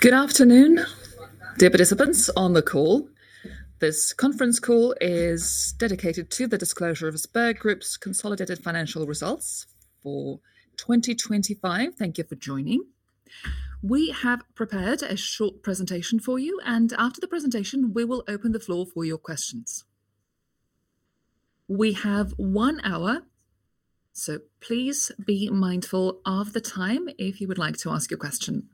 Good afternoon, dear participants on the call. This conference call is dedicated to the disclosure of Sber Group's consolidated financial results for 2025. Thank you for joining. We have prepared a short presentation for you, and after the presentation, we will open the floor for your questions. We have one hour, so please be mindful of the time if you would like to ask a question.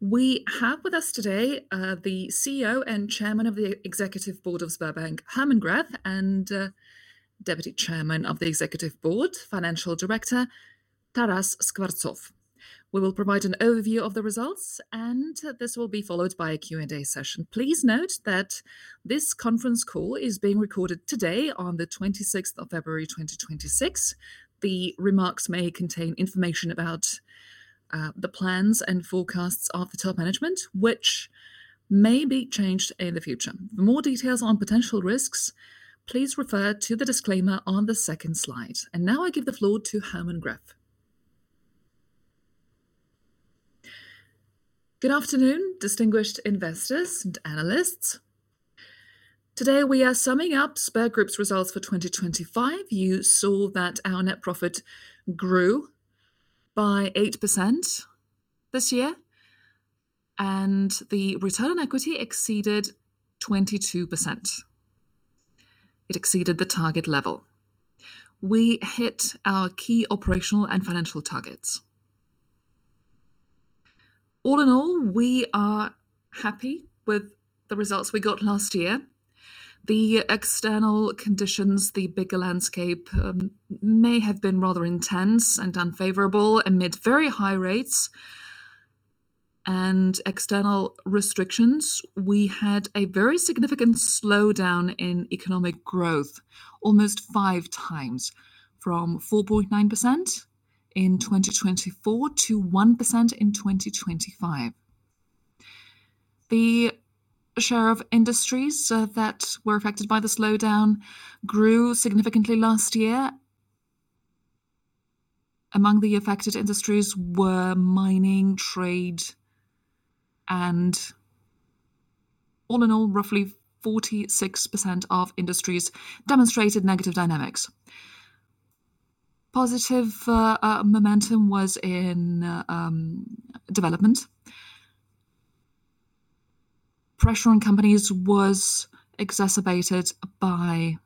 We have with us today, the CEO and Chairman of the Executive Board of Sberbank, Herman Gref, and Deputy Chairman of the Executive Board, Financial Director, Taras Skvortsov. We will provide an overview of the results, and this will be followed by a Q&A session. Please note that this conference call is being recorded today on the 26th of February, 2026. The remarks may contain information about the plans and forecasts of the top management, which may be changed in the future. For more details on potential risks, please refer to the disclaimer on the second slide. Now I give the floor to Herman Gref. Good afternoon, distinguished investors and analysts. Today, we are summing up Sber Group's results for 2025. You saw that our net profit grew by 8% this year, and the return on equity exceeded 22%. It exceeded the target level. We hit our key operational and financial targets. All in all, we are happy with the results we got last year. The external conditions, the bigger landscape, may have been rather intense and unfavorable amid very high rates and external restrictions. We had a very significant slowdown in economic growth, almost 5 times, from 4.9% in 2024 to 1% in 2025. The share of industries that were affected by the slowdown grew significantly last year. Among the affected industries were mining, trade, and all in all, roughly 46% of industries demonstrated negative dynamics. Positive momentum was in development. Pressure on companies was exacerbated by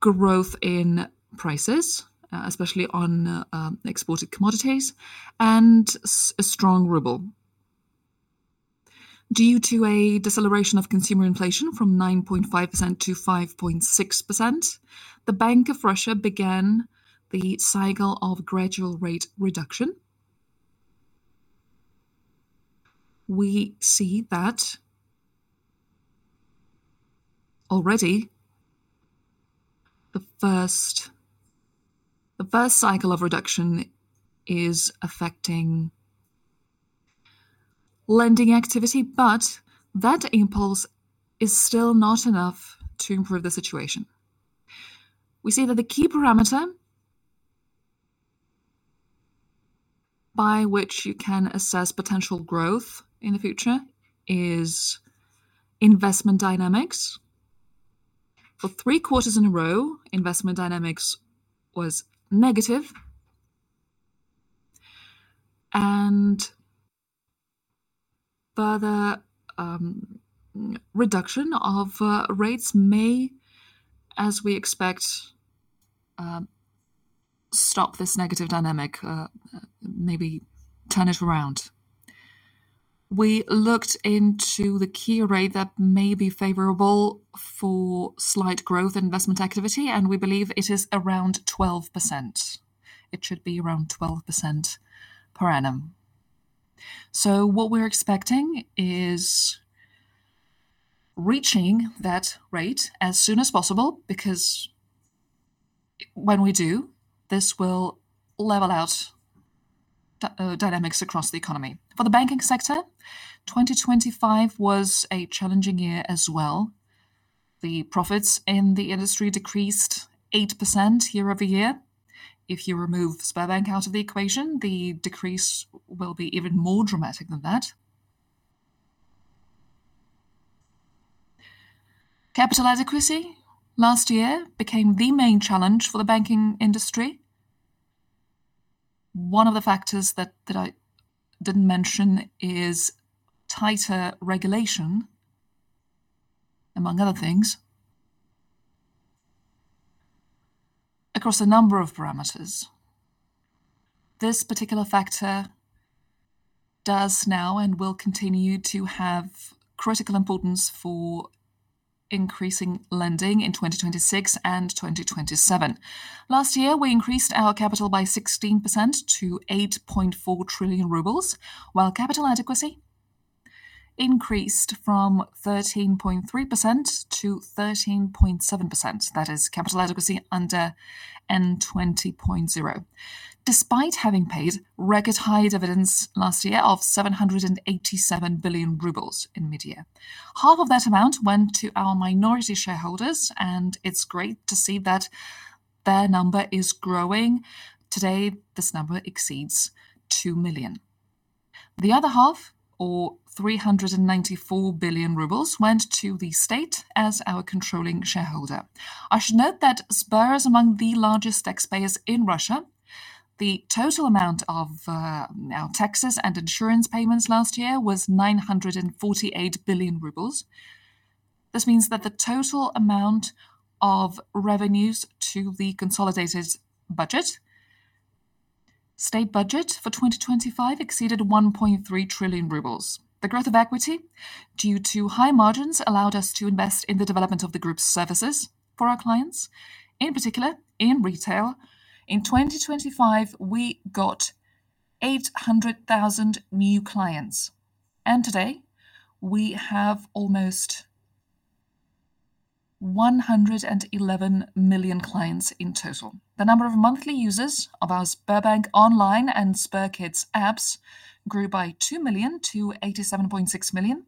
growth in prices, especially on exported commodities and a strong ruble. Due to a deceleration of consumer inflation from 9.5% to 5.6%, the Bank of Russia began the cycle of gradual rate reduction. We see that already the first cycle of reduction is affecting lending activity, but that impulse is still not enough to improve the situation. We see that the key parameter by which you can assess potential growth in the future is investment dynamics. For three quarters in a row, investment dynamics was negative. Further reduction of rates may, as we expect, stop this negative dynamic, maybe turn it around. We looked into the key rate that may be favorable for slight growth investment activity, and we believe it is around 12%. It should be around 12% per annum. What we're expecting is reaching that rate as soon as possible, because when we do, this will level out dynamics across the economy. For the banking sector, 2025 was a challenging year as well. The profits in the industry decreased eight percent year-over-year. If you remove Sberbank out of the equation, the decrease will be even more dramatic than that. Capital adequacy last year became the main challenge for the banking industry. One of the factors that I didn't mention is tighter regulation, among other things, across a number of parameters. This particular factor does now and will continue to have critical importance for increasing lending in 2026 and 2027. Last year, we increased our capital by 16% to 8.4 trillion rubles, while capital adequacy increased from 13.3% to 13.7%. That is capital adequacy under N20.0. Despite having paid record-high dividends last year of 787 billion rubles in mid-year. Half of that amount went to our minority shareholders, and it's great to see that their number is growing. Today, this number exceeds 2 million. The other half, or 394 billion rubles, went to the state as our controlling shareholder. I should note that Sber is among the largest taxpayers in Russia. The total amount of our taxes and insurance payments last year was 948 billion rubles. This means that the total amount of revenues to the consolidated budget, state budget for 2025 exceeded 1.3 trillion rubles. The growth of equity, due to high margins, allowed us to invest in the development of the group's services for our clients. In particular, in retail, in 2025, we got 800,000 new clients, and today we have almost 111 million clients in total. The number of monthly users of our SberBank Online and SberKids apps grew by 2 million to 87.6 million.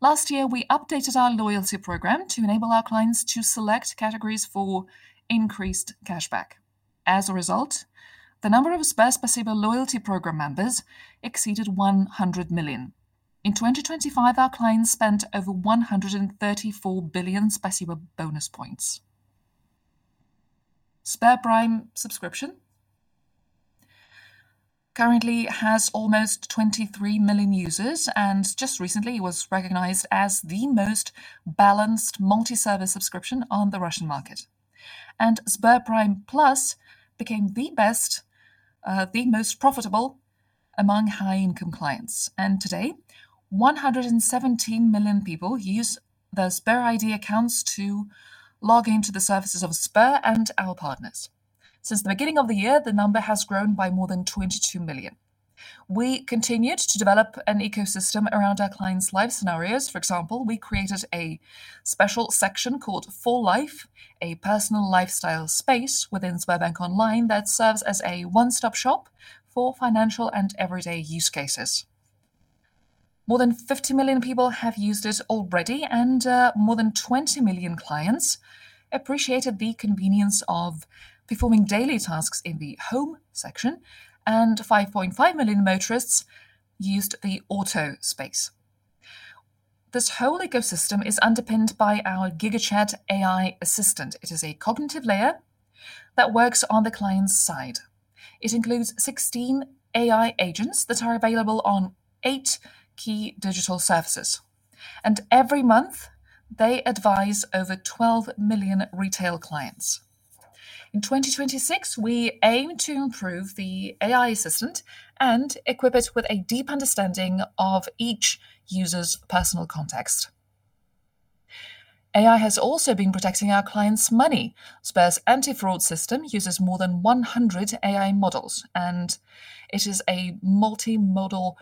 Last year, we updated our loyalty program to enable our clients to select categories for increased cashback. As a result, the number of SberSpasibo loyalty program members exceeded 100 million. In 2025, our clients spent over 134 billion Spasibo bonus points. SberPrime subscription currently has almost 23 million users, just recently was recognized as the most balanced multi-service subscription on the Russian market. SberPrime Plus became the best, the most profitable among high-income clients. Today, 117 million people use the Sber ID accounts to log into the services of Sber and our partners. Since the beginning of the year, the number has grown by more than 22 million. We continued to develop an ecosystem around our clients' life scenarios. For example, we created a special section called For Life, a personal lifestyle space within SberBank Online that serves as a one-stop shop for financial and everyday use cases. More than 50 million people have used it already, more than 20 million clients appreciated the convenience of performing daily tasks in the Home section, and 5.5 million motorists used the Auto space. This whole ecosystem is underpinned by our GigaChat AI assistant. It is a cognitive layer that works on the client's side. It includes 16 AI agents that are available on 8 key digital services, every month, they advise over 12 million retail clients. In 2026, we aim to improve the AI assistant and equip it with a deep understanding of each user's personal context. AI has also been protecting our clients' money. Sber's anti-fraud system uses more than 100 AI models, it is a multi-model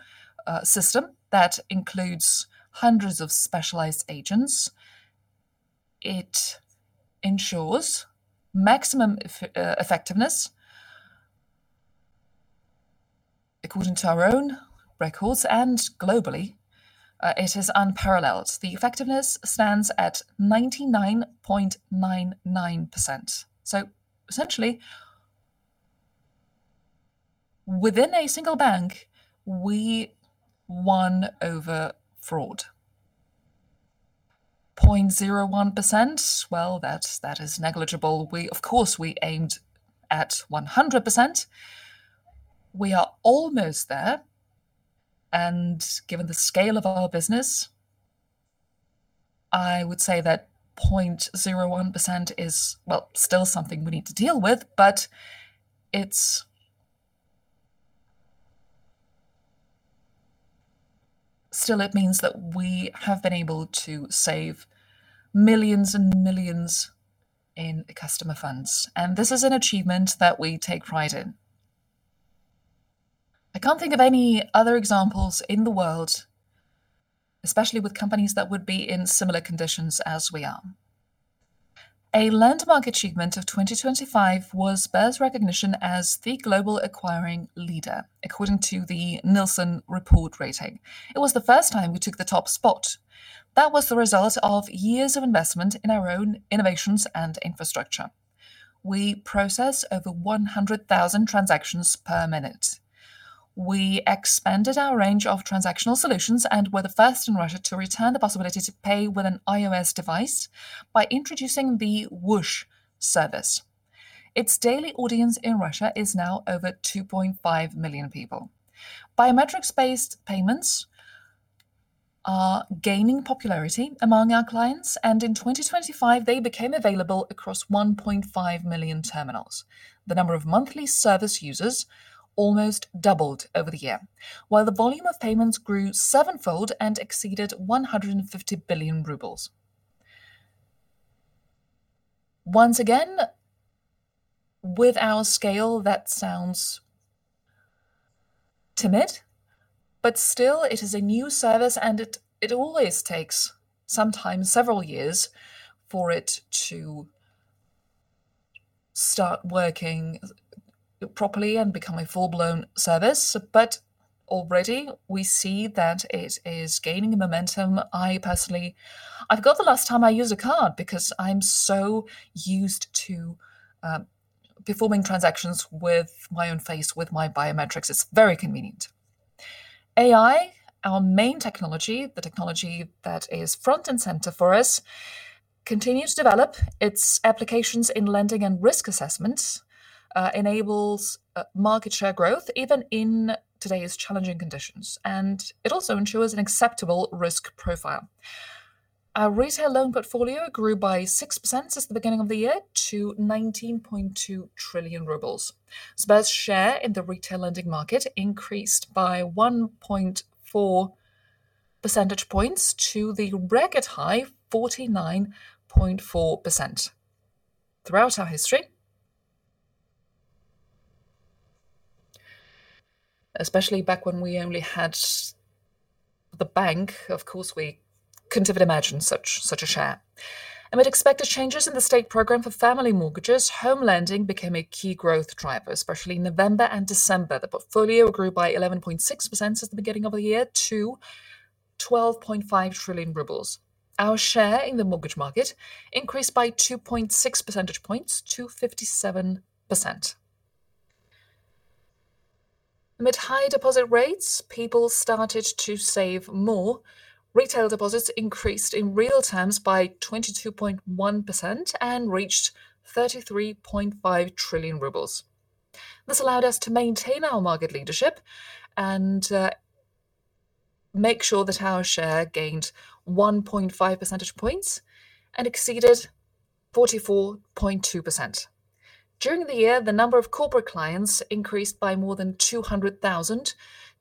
system that includes hundreds of specialized agents. It ensures maximum effectiveness, according to our own records, globally, it is unparalleled. The effectiveness stands at 99.99%. Essentially, within a single bank, we won over fraud. 0.01%? Well, that is negligible. Of course, we aimed at 100%. We are almost there. Given the scale of our business, I would say that 0.01% is, well, still something we need to deal with, but it's. Still, it means that we have been able to save millions and millions in customer funds. This is an achievement that we take pride in. I can't think of any other examples in the world, especially with companies that would be in similar conditions as we are. A landmark achievement of 2025 was Sber's recognition as the global acquiring leader, according to The Nilson Report rating. It was the first time we took the top spot. That was the result of years of investment in our own innovations and infrastructure. We process over 100,000 transactions per minute. We expanded our range of transactional solutions and were the first in Russia to return the possibility to pay with an iOS device by introducing the Whoosh service. Its daily audience in Russia is now over 2.5 million people. Biometrics-based payments are gaining popularity among our clients, and in 2025, they became available across 1.5 million terminals. The number of monthly service users almost doubled over the year, while the volume of payments grew sevenfold and exceeded 150 billion RUB. Once again, with our scale, that sounds timid, but still it is a new service, and it always takes some time, several years, for it to start working properly and become a full-blown service, but already we see that it is gaining momentum. I personally, I forgot the last time I used a card because I'm so used to performing transactions with my own face, with my biometrics. It's very convenient. AI, our main technology, the technology that is front and center for us, continue to develop its applications in lending and risk assessments, enables market share growth even in today's challenging conditions, and it also ensures an acceptable risk profile. Our retail loan portfolio grew by 6% since the beginning of the year to 19.2 trillion rubles. Sber's share in the retail lending market increased by 1.4 percentage points to the record high 49.4%. Throughout our history, especially back when we only had the bank, of course, we couldn't have imagined such a share. Amid expected changes in the state program for family mortgages, home lending became a key growth driver, especially in November and December. The portfolio grew by 11.6% since the beginning of the year to 12.5 trillion rubles. Our share in the mortgage market increased by 2.6 percentage points to 57%. Amid high deposit rates, people started to save more. Retail deposits increased in real terms by 22.1% and reached 33.5 trillion rubles. This allowed us to maintain our market leadership and make sure that our share gained 1.5 percentage points and exceeded 44.2%. During the year, the number of corporate clients increased by more than 200,000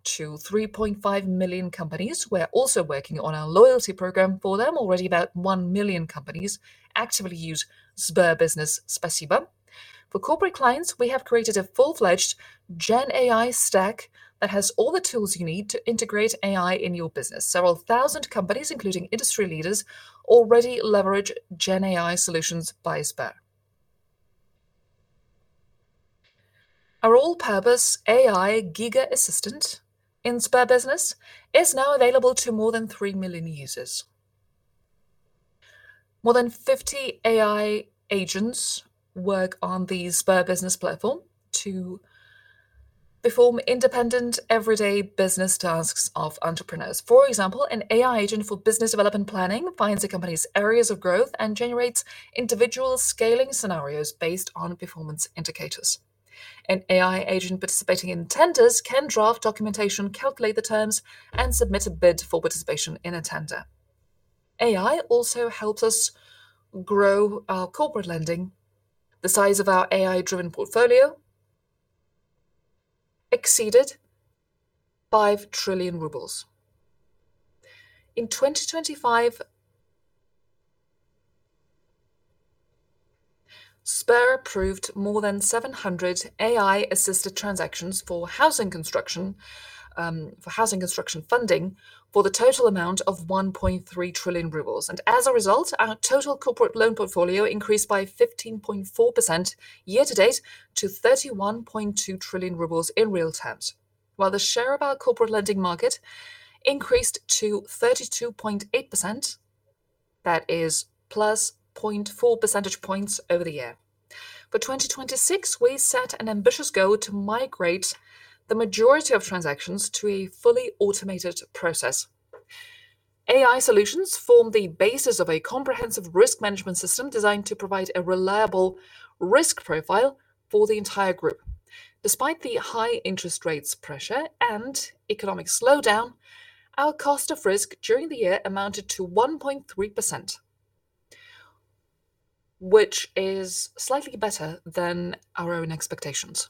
to 3.5 million companies. We're also working on our loyalty program for them. Already, about 1 million companies actively use SberBusiness Spasibo. For corporate clients, we have created a full-fledged Gen AI stack that has all the tools you need to integrate AI in your business. Several thousand companies, including industry leaders, already leverage Gen AI solutions by Sber. Our all-purpose AI Giga Assistant in SberBusiness is now available to more than 3 million users. More than 50 AI agents work on the SberBusiness platform to perform independent, everyday business tasks of entrepreneurs. For example, an AI agent for business development planning finds a company's areas of growth and generates individual scaling scenarios based on performance indicators. An AI agent participating in tenders can draft documentation, calculate the terms, and submit a bid for participation in a tender. AI also helps us grow our corporate lending. The size of our AI-driven portfolio exceeded RUB 5 trillion. In 2025, Sber approved more than 700 AI-assisted transactions for housing construction, for housing construction funding, for the total amount of 1.3 trillion rubles. As a result, our total corporate loan portfolio increased by 15.4% year-to-date to 31.2 trillion rubles in real terms. While the share of our corporate lending market increased to 32.8%, that is +0.4 percentage points over the year. For 2026, we set an ambitious goal to migrate the majority of transactions to a fully automated process. AI solutions form the basis of a comprehensive risk management system designed to provide a reliable risk profile for the entire group. Despite the high interest rates pressure and economic slowdown, our cost of risk during the year amounted to 1.3%, which is slightly better than our own expectations.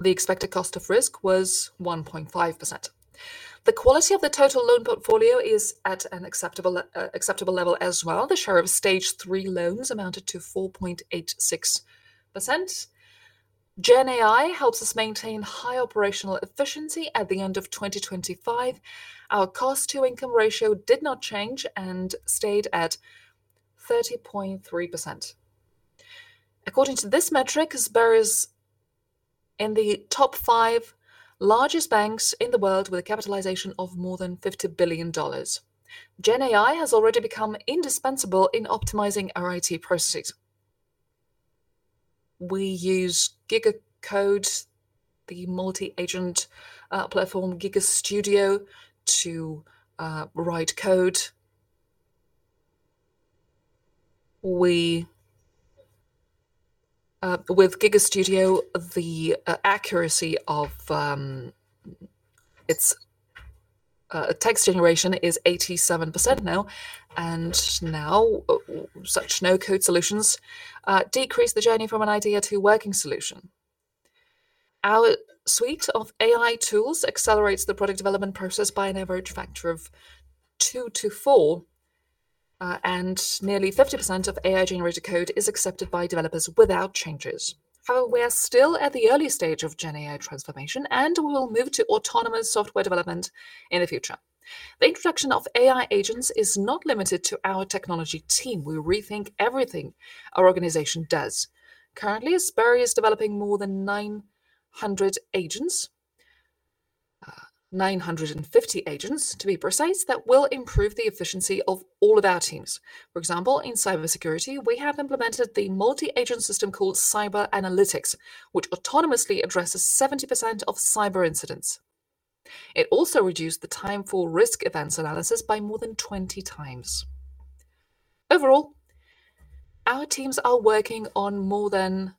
The expected cost of risk was 1.5%. The quality of the total loan portfolio is at an acceptable level as well. The share of Stage 3 loans amounted to 4.86%. Gen AI helps us maintain high operational efficiency. At the end of 2025, our cost-to-income ratio did not change and stayed at 30.3%. According to this metric, Sber is in the top five largest banks in the world with a capitalization of more than $50 billion. Gen AI has already become indispensable in optimizing our IT processes. We use GigaCode, the multi-agent platform, GigaStudio, to write code. With GigaStudio, the accuracy of its text generation is 87% now such no-code solutions decrease the journey from an idea to working solution. Our suite of AI tools accelerates the product development process by an average factor of two to four. Nearly 50% of AI-generated code is accepted by developers without changes. However, we are still at the early stage of GenAI transformation, and we will move to autonomous software development in the future. The inflection of AI agents is not limited to our technology team. We rethink everything our organization does. Currently, Sber is developing more than 900 agents, 950 agents, to be precise, that will improve the efficiency of all of our teams. For example, in cybersecurity, we have implemented the multi-agent system called Cyber Analytics, which autonomously addresses 70% of cyber incidents. It also reduced the time for risk events analysis by more than 20 times. Overall, our teams are working on more than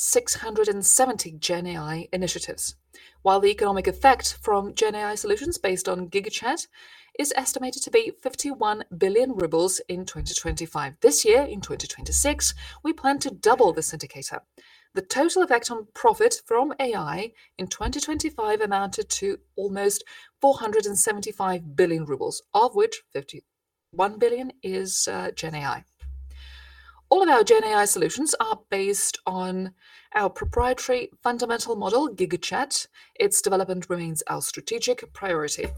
670 GenAI initiatives. The economic effect from GenAI solutions based on GigaChat is estimated to be 51 billion rubles in 2025. This year, in 2026, we plan to double this indicator. The total effect on profit from AI in 2025 amounted to almost 475 billion rubles, of which 51 billion is GenAI. All of our GenAI solutions are based on our proprietary fundamental model, GigaChat. Its development remains our strategic priority.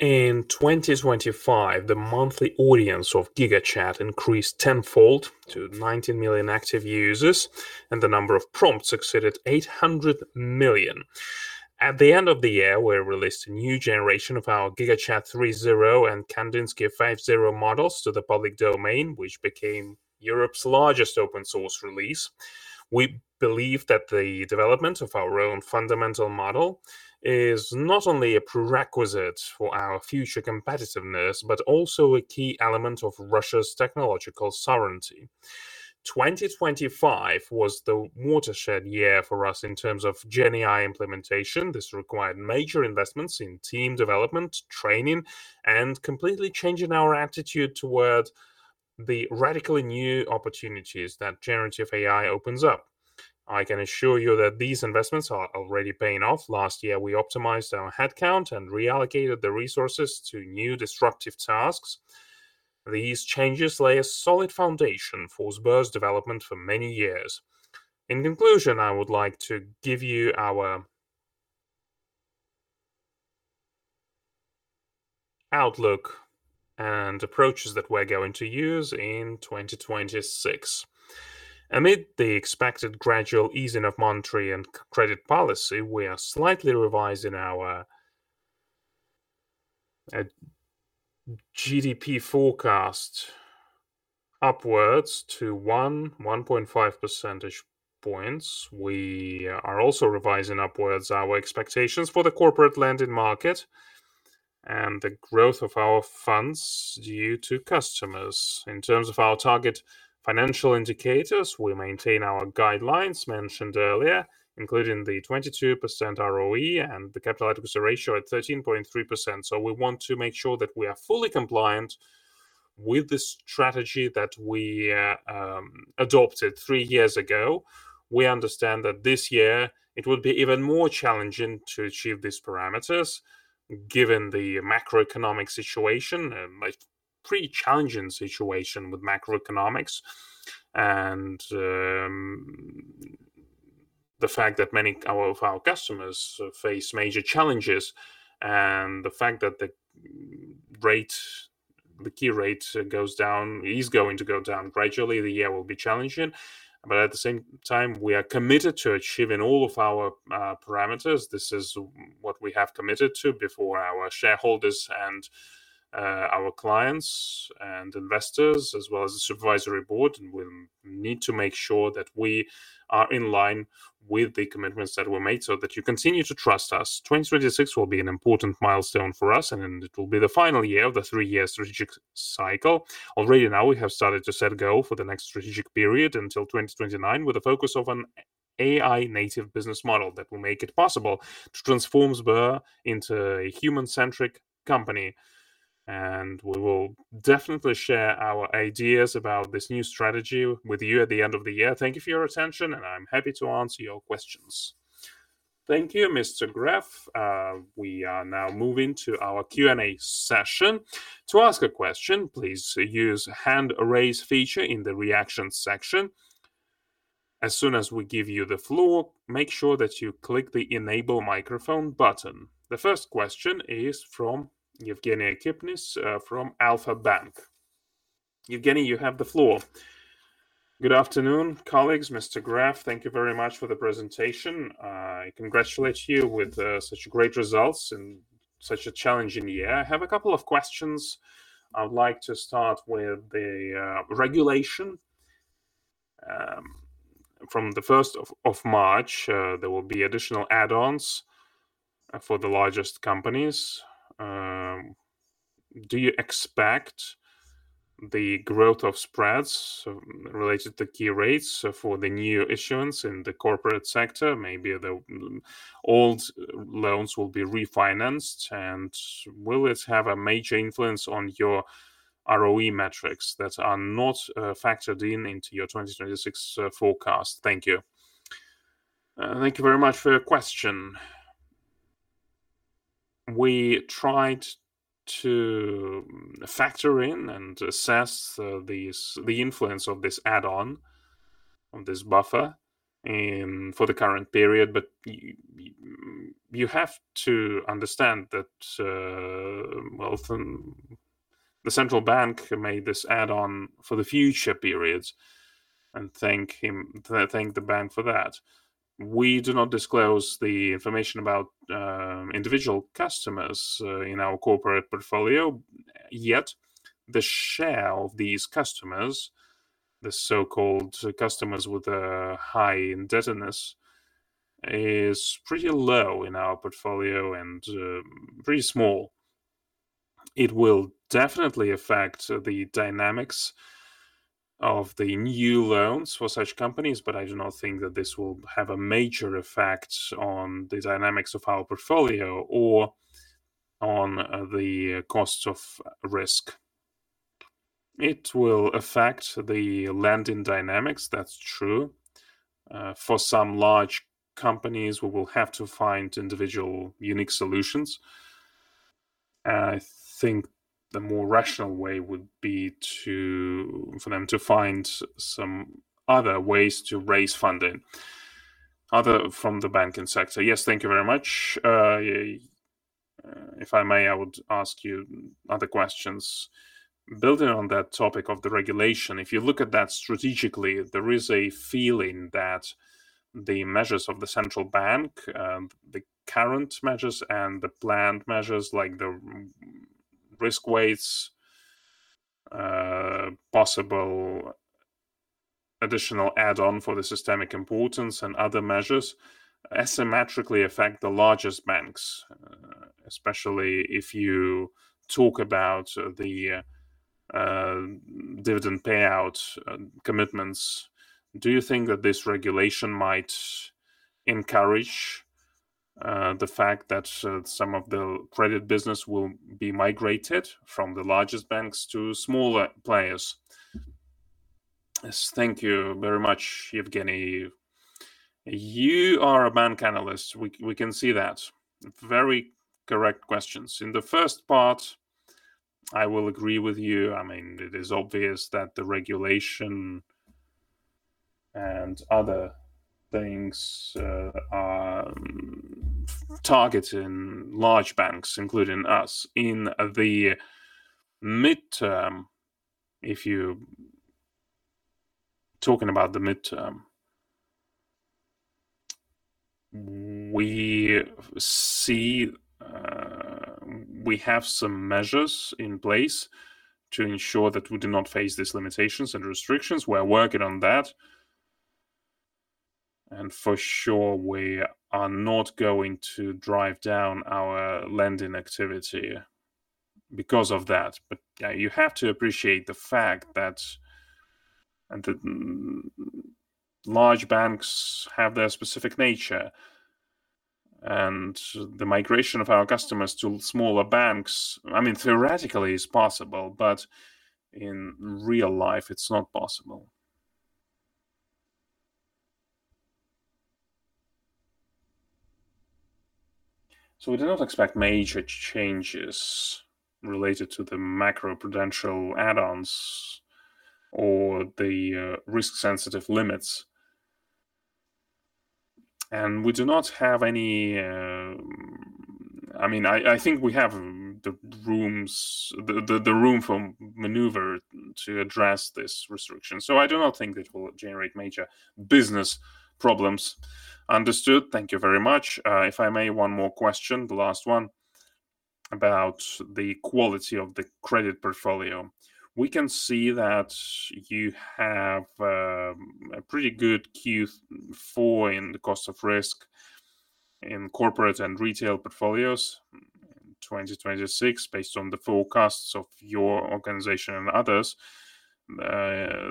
In 2025, the monthly audience of GigaChat increased tenfold to 19 million active users, and the number of prompts exceeded 800 million. At the end of the year, we released a new generation of our GigaChat 3.0 and Kandinsky 5.0 models to the public domain, which became Europe's largest open-source release. We believe that the development of our own fundamental model is not only a prerequisite for our future competitiveness, but also a key element of Russia's technological sovereignty. 2025 was the watershed year for us in terms of GenAI implementation. This required major investments in team development, training, and completely changing our attitude towards the radically new opportunities that generative AI opens up. I can assure you that these investments are already paying off. Last year, we optimized our headcount and reallocated the resources to new disruptive tasks. These changes lay a solid foundation for Sber's development for many years. In conclusion, I would like to give you our outlook and approaches that we're going to use in 2026. Amid the expected gradual easing of monetary and credit policy, we are slightly revising our GDP forecast upwards to 1-1.5 percentage points. We are also revising upwards our expectations for the corporate lending market and the growth of our funds due to customers. In terms of our target financial indicators, we maintain our guidelines mentioned earlier, including the 22% ROE and the capital adequacy ratio at 13.3%. We want to make sure that we are fully compliant with the strategy that we adopted three years ago. We understand that this year it will be even more challenging to achieve these parameters, given the macroeconomic situation, a pretty challenging situation with macroeconomics, and the fact that many of our customers face major challenges, and the fact that the rate, the key rate goes down, is going to go down gradually, the year will be challenging. At the same time, we are committed to achieving all of our parameters. This is what we have committed to before our shareholders and our clients and investors, as well as the supervisory board. We need to make sure that we are in line with the commitments that were made so that you continue to trust us. 2026 will be an important milestone for us, and it will be the final year of the three-year strategic cycle. Already now, we have started to set go for the next strategic period until 2029, with a focus on an AI-native business model that will make it possible to transform Sber into a human-centric company. We will definitely share our ideas about this new strategy with you at the end of the year. Thank you for your attention, and I'm happy to answer your questions. Thank you, Mr. Gref. We are now moving to our Q&A session. To ask a question, please use hand raise feature in the Reactions section. As soon as we give you the floor, make sure that you click the Enable Microphone button. The first question is from Evgeny Kipnis from Alfa-Bank. Evgeny, you have the floor. Good afternoon, colleagues. Mr. Gref, thank you very much for the presentation. I congratulate you with such great results in such a challenging year. I have a couple of questions. I would like to start with the regulation. From the first of March, there will be additional add-ons for the largest companies. Do you expect the growth of spreads related to key rates for the new issuance in the corporate sector? Maybe the old loans will be refinanced, and will it have a major influence on your ROE metrics that are not factored in into your 2026 forecast? Thank you. Thank you very much for your question. We tried to factor in and assess the influence of this add-on, of this buffer, for the current period. You, you have to understand that, well, from the central bank who made this add-on for the future periods, and thank the bank for that. We do not disclose the information about individual customers in our corporate portfolio. The share of these customers, the so-called customers with a high indebtedness, is pretty low in our portfolio and pretty small. It will definitely affect the dynamics of the new loans for such companies, but I do not think that this will have a major effect on the dynamics of our portfolio or on the costs of risk. It will affect the lending dynamics, that's true. For some large companies, we will have to find individual unique solutions. I think the more rational way would be for them to find some other ways to raise funding other from the banking sector. Yes, thank you very much. If I may, I would ask you other questions. Building on that topic of the regulation, if you look at that strategically, there is a feeling that the measures of the central bank, the current measures and the planned measures, like the risk weights, possible additional add-on for the systemic importance and other measures, asymmetrically affect the largest banks, especially if you talk about the dividend payout commitments. Do you think that this regulation might encourage the fact that some of the credit business will be migrated from the largest banks to smaller players? Yes, thank you very much, Evgeny. You are a bank analyst. We can see that. Very correct questions. In the first part, I will agree with you. I mean, it is obvious that the regulation and other things are targeting large banks, including us. In the midterm, if you're talking about the midterm, we see. We have some measures in place to ensure that we do not face these limitations and restrictions. We are working on that. For sure, we are not going to drive down our lending activity because of that. Yeah, you have to appreciate the fact that, and the large banks have their specific nature, and the migration of our customers to smaller banks, I mean, theoretically is possible, but in real life, it's not possible. We do not expect major changes related to the macroprudential add-ons or the risk-sensitive limits. We do not have any. I mean, I think we have the room for maneuver to address this restriction. I do not think it will generate major business problems. Understood. Thank you very much. If I may, one more question, the last one, about the quality of the credit portfolio. We can see that you have a pretty good Q4 in the cost of risk in corporate and retail portfolios. In 2026, based on the forecasts of your organization and others,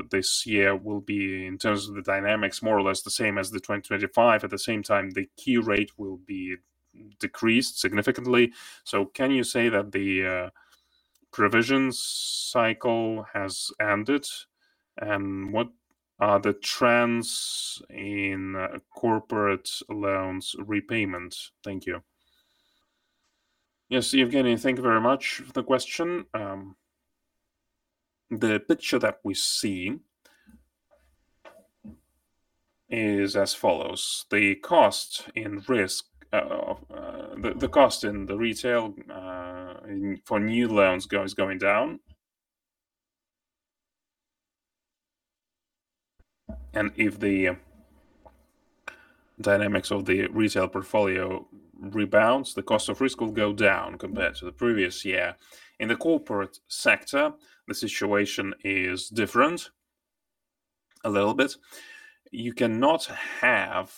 this year will be, in terms of the dynamics, more or less the same as 2025. At the same time, the key rate will be decreased significantly. Can you say that the provisions cycle has ended? What are the trends in corporate loans repayment? Thank you. Yes, Evgeny, thank you very much for the question. The picture that we see is as follows: the cost and risk of the cost in the retail for new loans is going down. If the dynamics of the retail portfolio rebounds, the cost of risk will go down compared to the previous year. In the corporate sector, the situation is different a little bit. You cannot have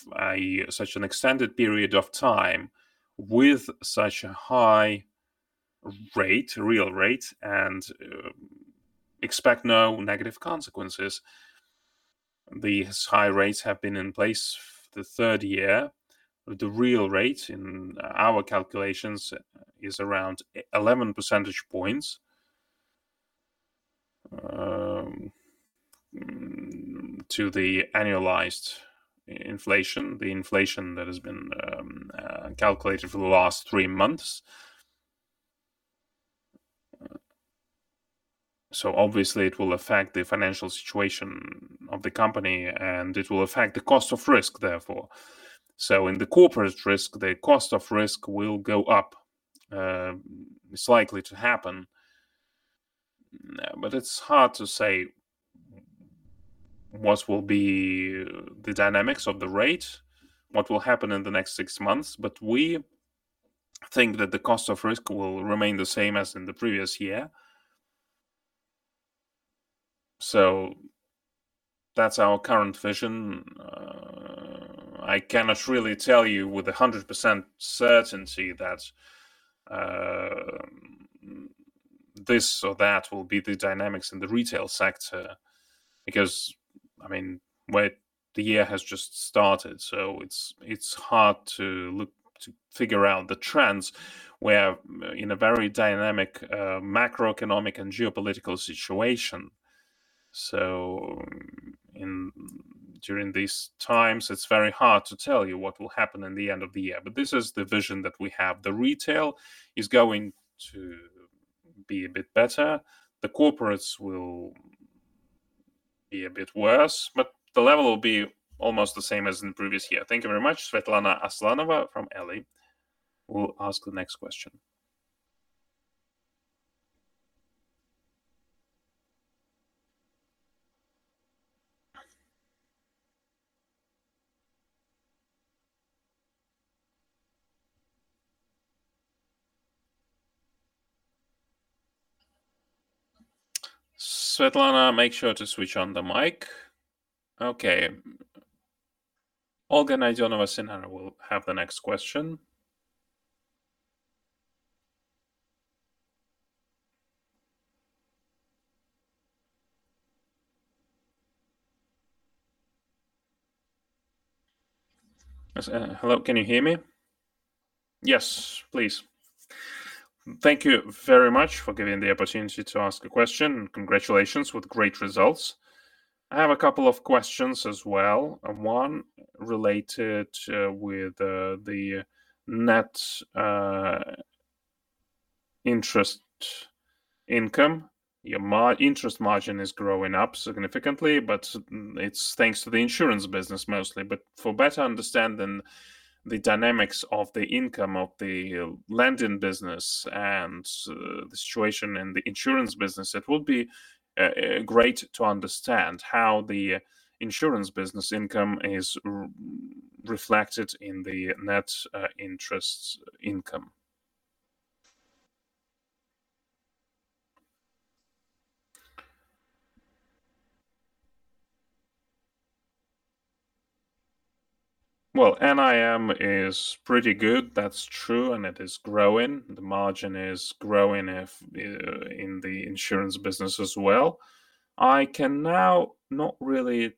such an extended period of time with such a high rate, real rate, and expect no negative consequences. These high rates have been in place for the third year. The real rate in our calculations is around 11 percentage points to the annualized inflation, the inflation that has been calculated for the last 3 months. Obviously, it will affect the financial situation of the company, and it will affect the cost of risk, therefore. In the corporate risk, the cost of risk will go up. It's likely to happen, but it's hard to say what will be the dynamics of the rate, what will happen in the next six months, but we think that the cost of risk will remain the same as in the previous year. That's our current vision. I cannot really tell you with 100% certainty that this or that will be the dynamics in the retail sector, because, I mean, well, the year has just started, so it's hard to figure out the trends. We're in a very dynamic, macroeconomic and geopolitical situation. During these times, it's very hard to tell you what will happen in the end of the year, but this is the vision that we have. The retail is going to be a bit better. The corporates will be a bit worse, but the level will be almost the same as in the previous year. Thank you very much. Svetlana Aslanova from [Ellie] will ask the next question. Svetlana, make sure to switch on the mic. Okay. Olga Naydenova with Sinara will have the next question. Yes. Hello, can you hear me? Yes, please. Thank you very much for giving the opportunity to ask a question, and congratulations with great results. I have a couple of questions as well. One related with the net interest income. Your interest margin is growing up significantly, but it's thanks to the insurance business, mostly. For better understanding the dynamics of the income of the lending business and the situation in the insurance business, it would be great to understand how the insurance business income is reflected in the net interest income. NIM is pretty good, that's true, and it is growing. The margin is growing, if in the insurance business as well. I can now not really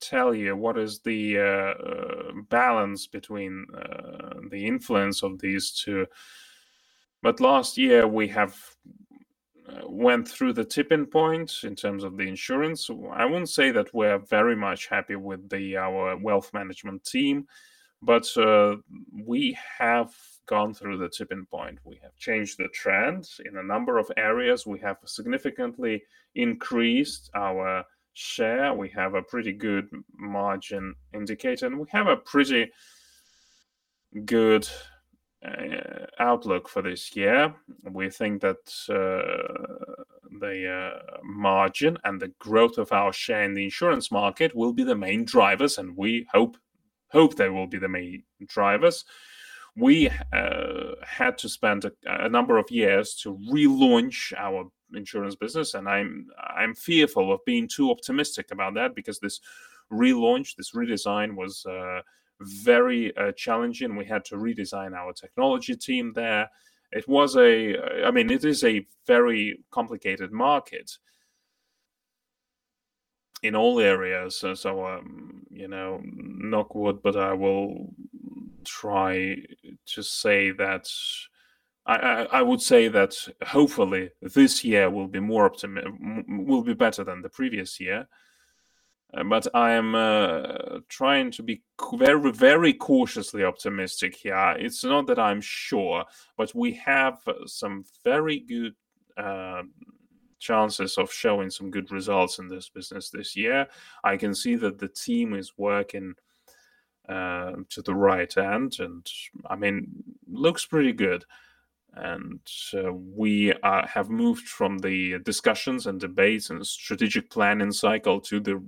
tell you what is the balance between the influence of these two, but last year, we have went through the tipping point in terms of the insurance. I wouldn't say that we're very much happy with the, our wealth management team, but we have gone through the tipping point. We have changed the trend in a number of areas. We have significantly increased our share. We have a pretty good margin indicator. We have a pretty good outlook for this year. We think that the margin and the growth of our share in the insurance market will be the main drivers. We hope they will be the main drivers. We had to spend a number of years to relaunch our insurance business. I'm fearful of being too optimistic about that because this relaunch, this redesign was very challenging. We had to redesign our technology team there. I mean, it is a very complicated market in all areas. you know, knock on wood, I will try to say that I would say that hopefully, this year will be better than the previous year. I am trying to be very, very cautiously optimistic here. It's not that I'm sure, but we have some very good chances of showing some good results in this business this year. I can see that the team is working to the right end, and I mean, looks pretty good. We have moved from the discussions and debates and strategic planning cycle to the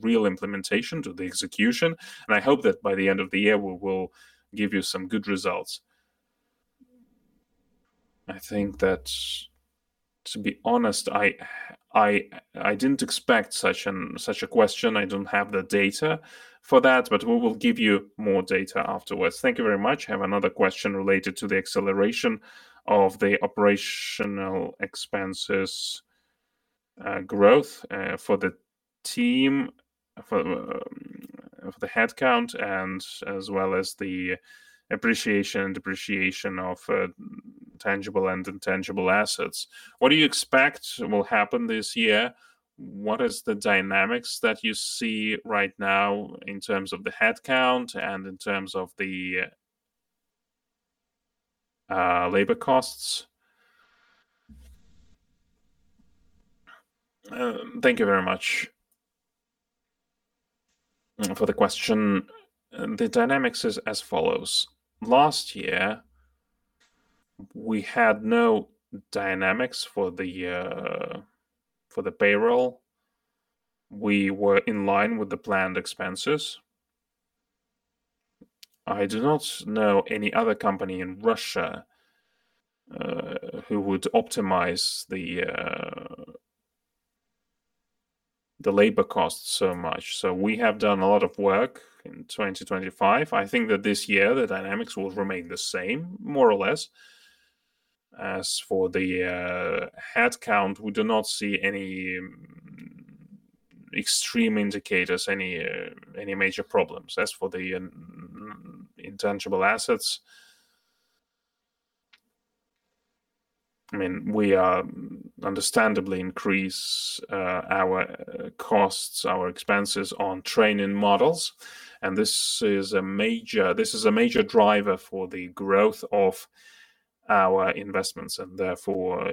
real implementation, to the execution, and I hope that by the end of the year, we will give you some good results. I think that, to be honest, I didn't expect such a question. I don't have the data for that, but we will give you more data afterwards. Thank you very much. I have another question related to the acceleration of the operational expenses growth for the team, for... of the headcount and as well as the appreciation and depreciation of tangible and intangible assets. What do you expect will happen this year? What is the dynamics that you see right now in terms of the headcount and in terms of the labor costs? Thank you very much for the question. The dynamics is as follows: last year, we had no dynamics for the payroll. We were in line with the planned expenses. I do not know any other company in Russia who would optimize the labor costs so much. We have done a lot of work in 2025. I think that this year, the dynamics will remain the same, more or less. As for the headcount, we do not see any extreme indicators, any major problems. As for the intangible assets, I mean, we understandably increase our costs, our expenses on training models, and this is a major driver for the growth of our investments, and therefore,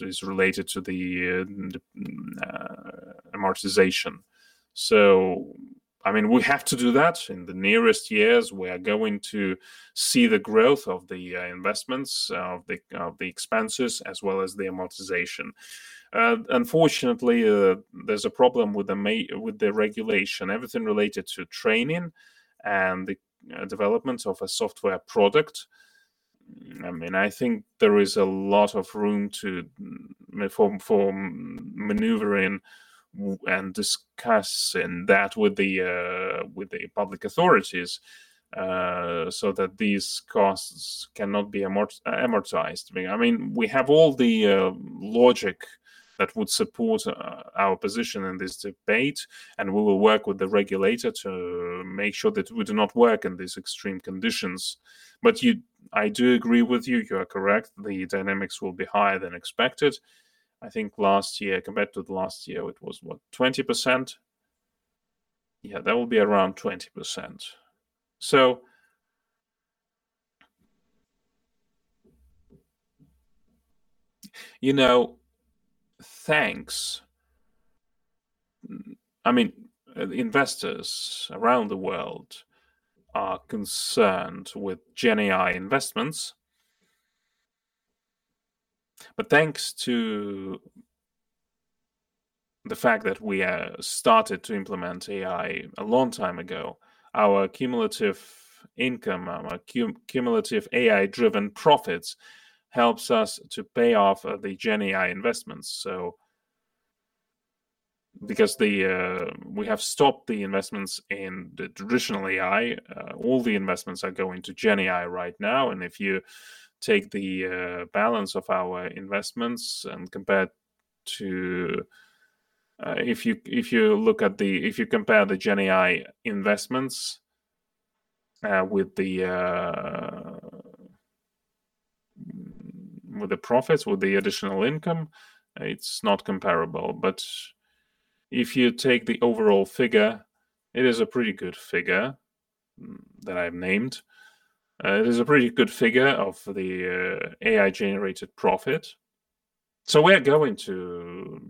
is related to the amortization. I mean, we have to do that. In the nearest years, we are going to see the growth of the investments, of the expenses, as well as the amortization. Unfortunately, there's a problem with the regulation. Everything related to training and the development of a software product. I mean, I think there is a lot of room to form maneuvering and discussing that with the public authorities, so that these costs cannot be amortized. I mean, we have all the logic that would support our position in this debate. We will work with the regulator to make sure that we do not work in these extreme conditions. I do agree with you. You are correct, the dynamics will be higher than expected. I think last year, compared to the last year, it was, what? 20%. Yeah, that will be around 20%. You know, thanks. I mean, investors around the world are concerned with Gen AI investments. Thanks to the fact that we started to implement AI a long time ago, our cumulative income, our cumulative AI-driven profits, helps us to pay off the Gen AI investments. Because the we have stopped the investments in the traditional AI, all the investments are going to Gen AI right now, and if you take the balance of our investments and compare to... If you compare the Gen AI investments with the profits, with the additional income, it's not comparable. If you take the overall figure, it is a pretty good figure that I've named. It is a pretty good figure of the AI-generated profit. We're going to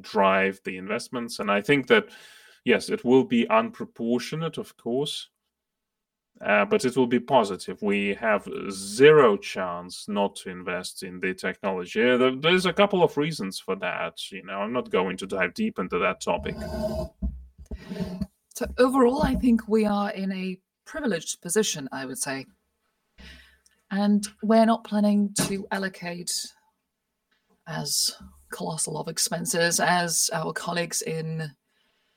drive the investments, and I think that, yes, it will be unproportionate, of course, but it will be positive. We have zero chance not to invest in the technology. There's a couple of reasons for that. You know, I'm not going to dive deep into that topic. Overall, I think we are in a privileged position, I would say, and we're not planning to allocate as colossal of expenses as our colleagues in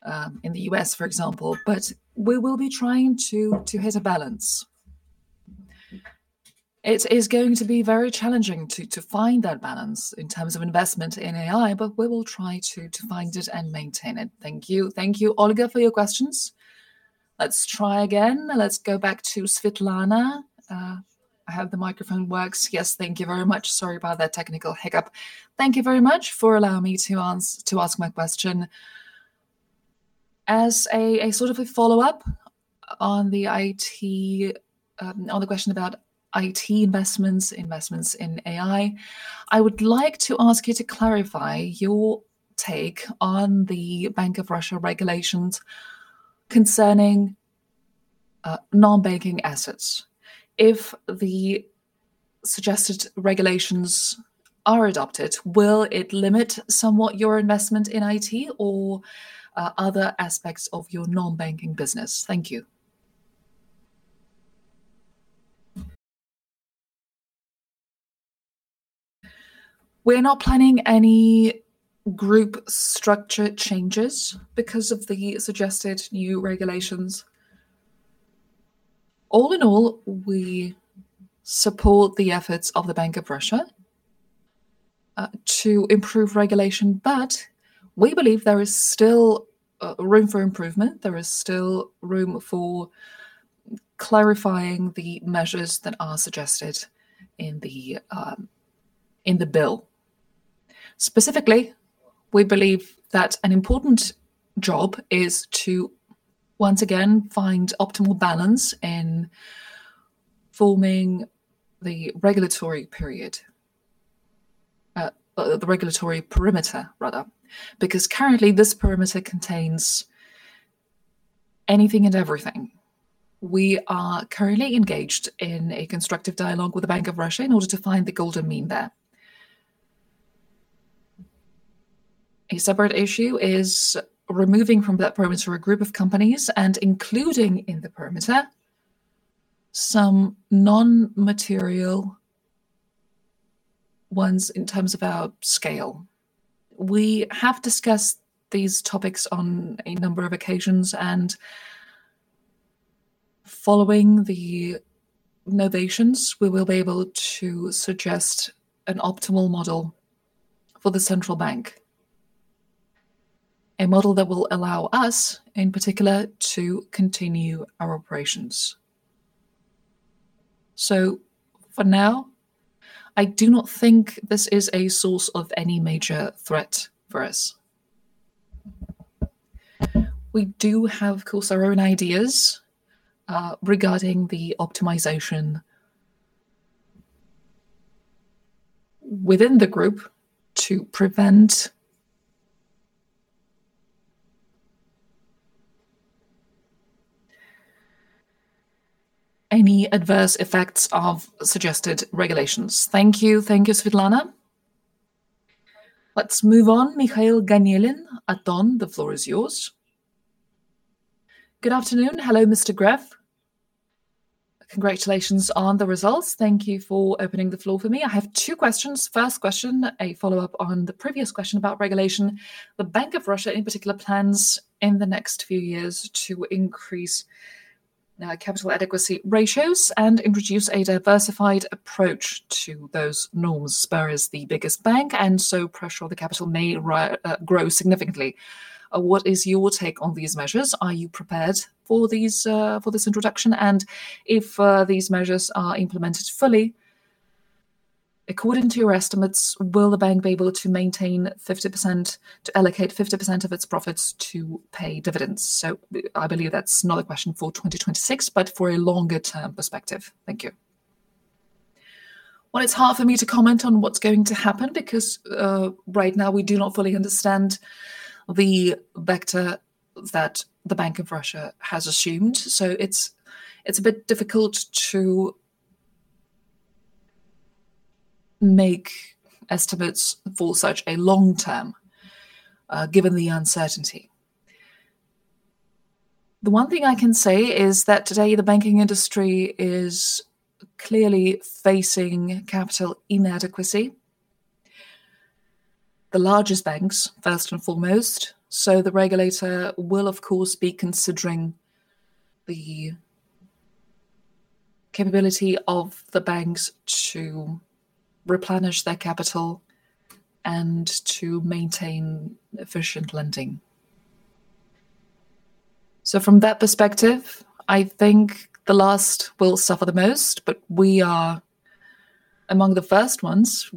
the U.S., for example, but we will be trying to hit a balance. It is going to be very challenging to find that balance in terms of investment in AI, but we will try to find it and maintain it. Thank you. Thank you, Olga, for your questions. Let's try again. Let's go back to Svetlana. I hope the microphone works. Yes, thank you very much. Sorry about that technical hiccup. Thank you very much for allowing me to ask my question. As a sort of a follow-up on the IT, on the question about IT investments in AI, I would like to ask you to clarify your take on the Bank of Russia regulations concerning non-banking assets. If the suggested regulations are adopted, will it limit somewhat your investment in IT or other aspects of your non-banking business? Thank you. We're not planning any group structure changes because of the suggested new regulations. All in all, we support the efforts of the Bank of Russia to improve regulation. We believe there is still room for improvement. There is still room for clarifying the measures that are suggested in the bill. Specifically, we believe that an important job is to once again find optimal balance in forming the regulatory perimeter, rather, because currently this perimeter contains anything and everything. We are currently engaged in a constructive dialogue with the Bank of Russia in order to find the golden mean there. A separate issue is removing from that perimeter a group of companies, and including in the perimeter some non-material ones in terms of our scale. We have discussed these topics on a number of occasions, and following the novations, we will be able to suggest an optimal model for the central bank. A model that will allow us, in particular, to continue our operations. For now, I do not think this is a source of any major threat for us. We do have, of course, our own ideas regarding the optimization within the group to prevent any adverse effects of suggested regulations. Thank you. Thank you, Svetlana. Let's move on. Mikhail Ganelin, Aton, the floor is yours. Good afternoon. Hello, Mr. Gref. Congratulations on the results. Thank you for opening the floor for me. I have 2 questions. First question, a follow-up on the previous question about regulation. The Bank of Russia, in particular, plans in the next few years to increase capital adequacy ratios and introduce a diversified approach to those norms. Sber is the biggest bank, and so pressure on the capital may grow significantly. What is your take on these measures? Are you prepared for these for this introduction? If these measures are implemented fully, according to your estimates, will the bank be able to maintain 50% to allocate 50% of its profits to pay dividends? I believe that's not a question for 2026, but for a longer-term perspective. Thank you. Well, it's hard for me to comment on what's going to happen because right now we do not fully understand the vector that the Bank of Russia has assumed. It's a bit difficult to make estimates for such a long term, given the uncertainty. The one thing I can say is that today, the banking industry is clearly facing capital inadequacy. The largest banks, first and foremost, so the regulator will, of course, be considering the capability of the banks to replenish their capital and to maintain efficient lending. From that perspective, I think the last will suffer the most, but we are among the first ones.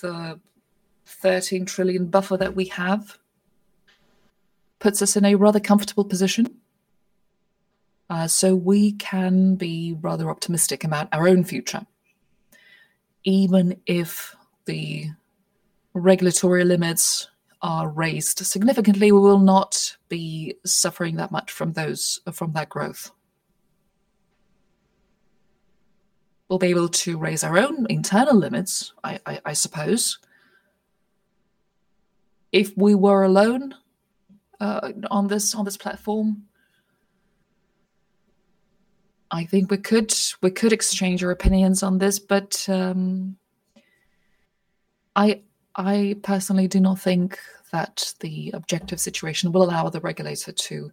The 13 trillion buffer that we have, puts us in a rather comfortable position. We can be rather optimistic about our own future, even if the regulatory limits are raised significantly, we will not be suffering that much from that growth. We'll be able to raise our own internal limits, I suppose. If we were alone on this platform, I think we could exchange our opinions on this, but I personally do not think that the objective situation will allow the regulator to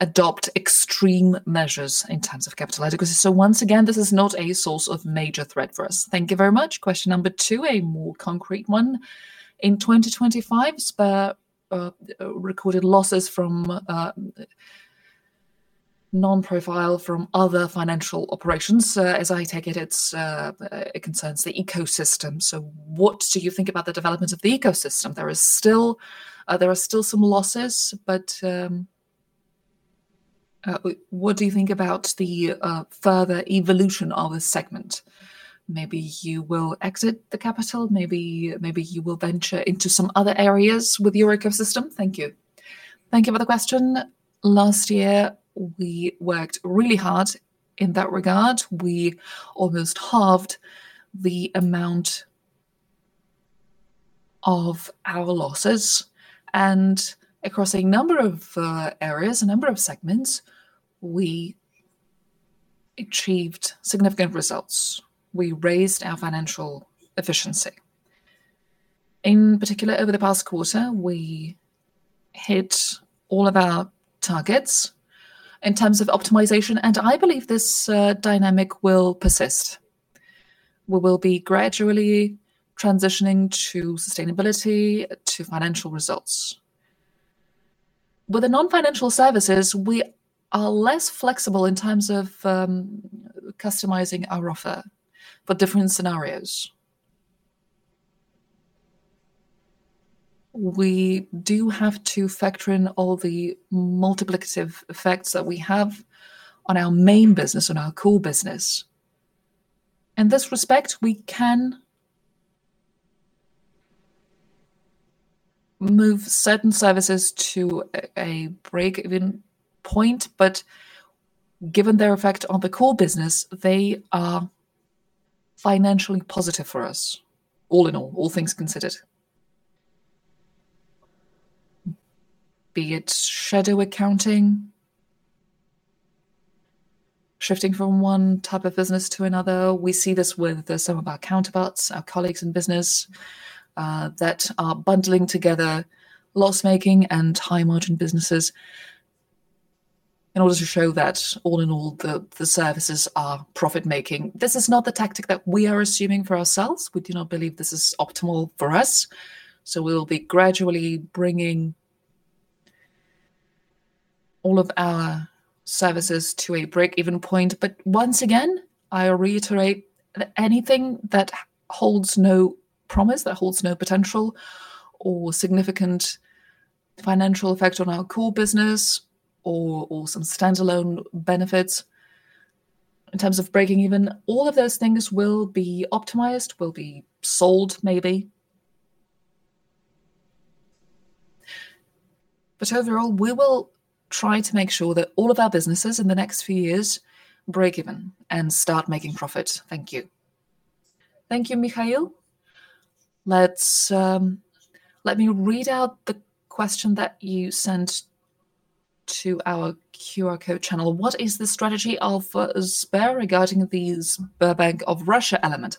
adopt extreme measures in terms of capital adequacy. Once again, this is not a source of major threat for us. Thank you very much. Question number two, a more concrete one. In 2025, Sber recorded losses from non-profile from other financial operations. As I take it concerns the ecosystem. What do you think about the development of the ecosystem? There are still some losses, what do you think about the further evolution of this segment? Maybe you will exit the capital, maybe you will venture into some other areas with your ecosystem. Thank you. Thank you for the question. Last year, we worked really hard in that regard. We almost halved the amount of our losses, across a number of areas, a number of segments, we achieved significant results. We raised our financial efficiency. In particular, over the past quarter, we hit all of our targets in terms of optimization, I believe this dynamic will persist. We will be gradually transitioning to sustainability, to financial results. With the non-financial services, we are less flexible in terms of customizing our offer for different scenarios. We do have to factor in all the multiplicative effects that we have on our main business, on our core business. In this respect, we can move certain services to a break-even point, but given their effect on the core business, they are financially positive for us, all in all things considered. Be it shadow accounting, shifting from one type of business to another, we see this with some of our counterparts, our colleagues in business that are bundling together loss-making and high-margin businesses in order to show that all in all, the services are profit-making. This is not the tactic that we are assuming for ourselves. We do not believe this is optimal for us, so we will be gradually bringing all of our services to a break-even point. Once again, I reiterate that anything that holds no promise, that holds no potential or significant financial effect on our core business or some standalone benefits in terms of breaking even, all of those things will be optimized, will be sold maybe. Overall, we will try to make sure that all of our businesses in the next few years break even and start making profit. Thank you. Thank you, Mikhail. Let me read out the question that you sent to our QR code channel. What is the strategy of Sber regarding the Sberbank of Russia element?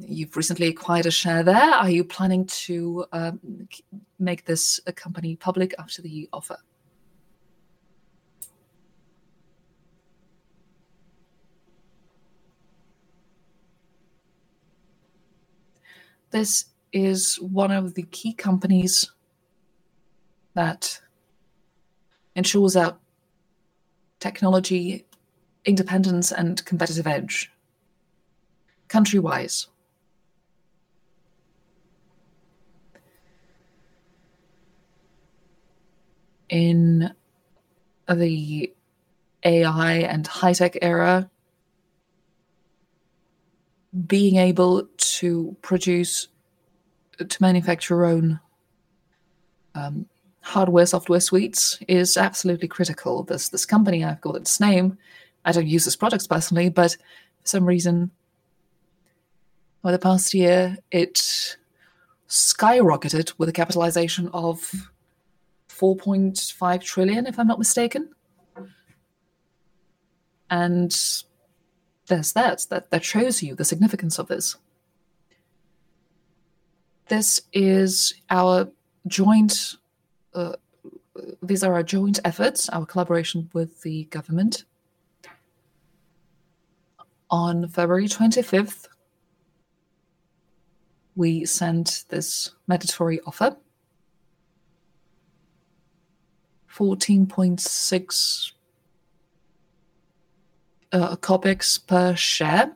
You've recently acquired a share there. Are you planning to make this company public after the offer? This is one of the key companies that ensures our technology, independence, and competitive edge country-wise. In the AI and high tech era, being able to produce, to manufacture your own, hardware, software suites is absolutely critical. This, this company, I forgot its name, I don't use its products personally, but for some reason, over the past year, it skyrocketed with a capitalization of 4.5 trillion, if I'm not mistaken. There's that shows you the significance of this. This is our joint, these are our joint efforts, our collaboration with the government. On February 25th, we sent this mandatory offer, 14.6 kopics per share.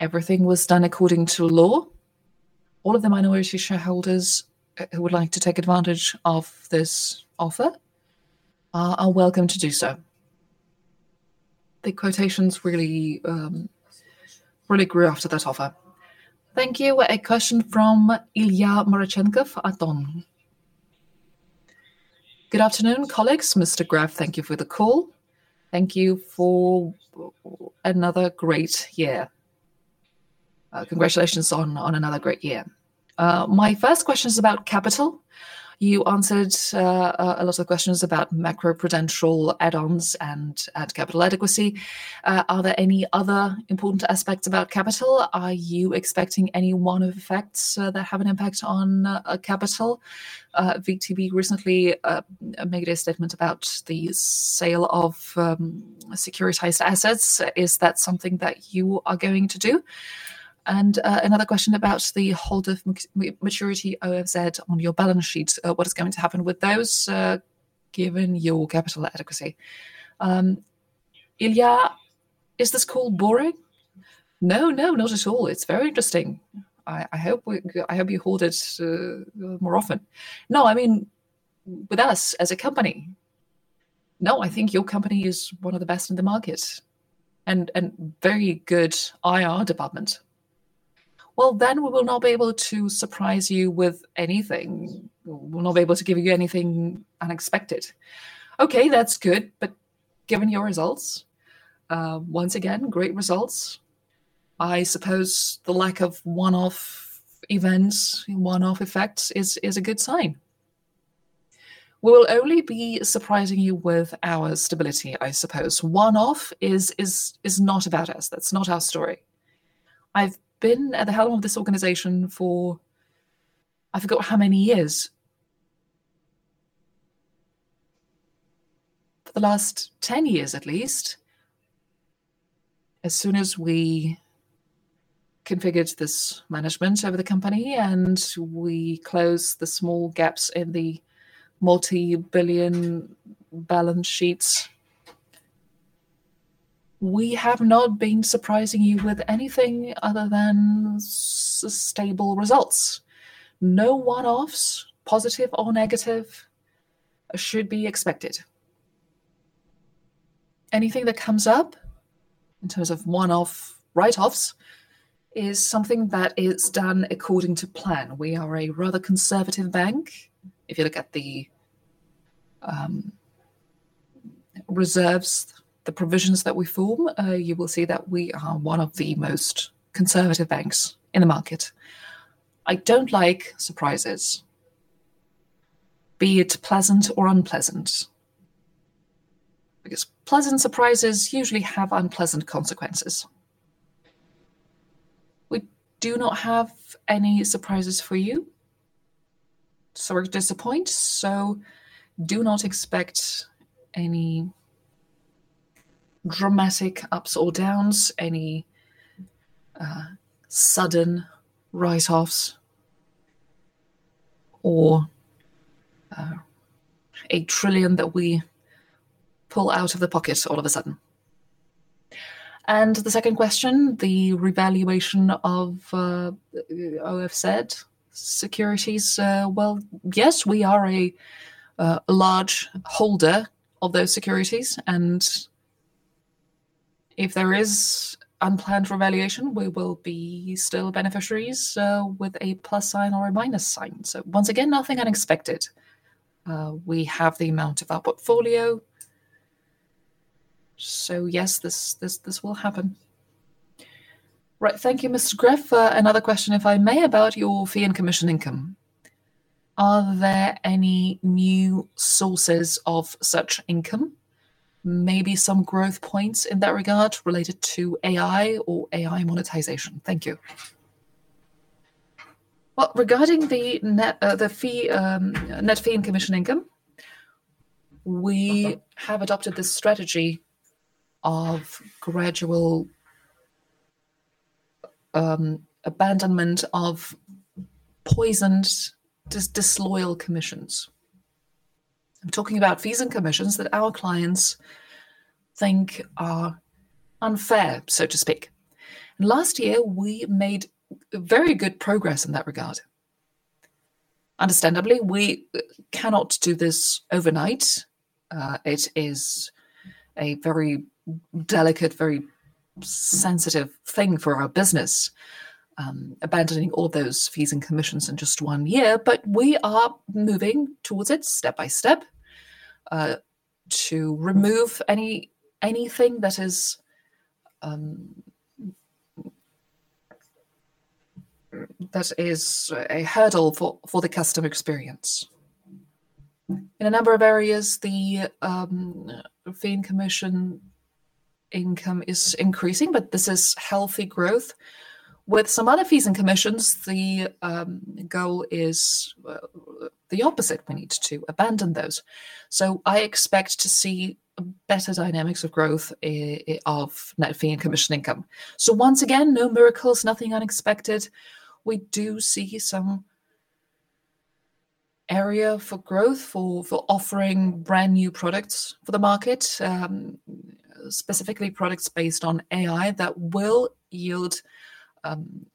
Everything was done according to law. All of the minority shareholders, who would like to take advantage of this offer, are welcome to do so. The quotations really, really grew after that offer. Thank you. A question from Ilya Marchenkov, Aton. Good afternoon, colleagues. Mr. Gref, thank you for the call. Thank you for another great year. Congratulations on another great year. My first question is about capital. You answered a lot of questions about macroprudential add-ons and capital adequacy. Are there any other important aspects about capital? Are you expecting any one-off effects that have an impact on capital? VTB recently made a statement about the sale of securitized assets. Is that something that you are going to do? Another question about the hold of maturity OFZ on your balance sheet. What is going to happen with those given your capital adequacy? Ilya, is this call boring? No, not at all. It's very interesting. I hope you hold it more often. I mean, with us as a company. I think your company is one of the best in the market, and very good IR department. We will not be able to surprise you with anything. We'll not be able to give you anything unexpected. That's good, given your results, once again, great results, I suppose the lack of one-off events and one-off effects is a good sign? We will only be surprising you with our stability, I suppose. One-off is not about us. That's not our story. I've been at the helm of this organization for, I forgot how many years. For the last 10 years, at least. As soon as we configured this management over the company, and we closed the small gaps in the multi-billion balance sheets, we have not been surprising you with anything other than stable results. No one-offs, positive or negative, should be expected. Anything that comes up, in terms of one-off write-offs, is something that is done according to plan. We are a rather conservative bank. If you look at the reserves, the provisions that we form, you will see that we are one of the most conservative banks in the market. I don't like surprises, be it pleasant or unpleasant, because pleasant surprises usually have unpleasant consequences. We do not have any surprises for you, sorry to disappoint, so do not expect any dramatic ups or downs, any sudden write-offs, or a 1 trillion that we pull out of the pocket all of a sudden. The second question, the revaluation of OFZ securities. Well, yes, we are a large holder of those securities, and if there is unplanned revaluation, we will be still beneficiaries with a plus sign or a minus sign. Once again, nothing unexpected. We have the amount of our portfolio. Yes, this will happen. Right. Thank you, Herman Gref. Another question, if I may, about your net fee and commission income. Are there any new sources of such income? Maybe some growth points in that regard related to AI or AI monetization. Thank you. Well, regarding the net fee and commission income, we have adopted this strategy of gradual abandonment of poisoned, disloyal commissions. I'm talking about fees and commissions that our clients think are unfair, so to speak. Last year, we made very good progress in that regard. Understandably, we cannot do this overnight. It is a very delicate, very sensitive thing for our business, abandoning all those fees and commissions in just one year, but we are moving towards it step by step to remove anything that is a hurdle for the customer experience. In a number of areas, the fee and commission income is increasing, but this is healthy growth. With some other fees and commissions, the goal is the opposite, we need to abandon those. I expect to see better dynamics of growth of net fee and commission income. Once again, no miracles, nothing unexpected. We do see some area for growth for offering brand-new products for the market, specifically products based on AI, that will yield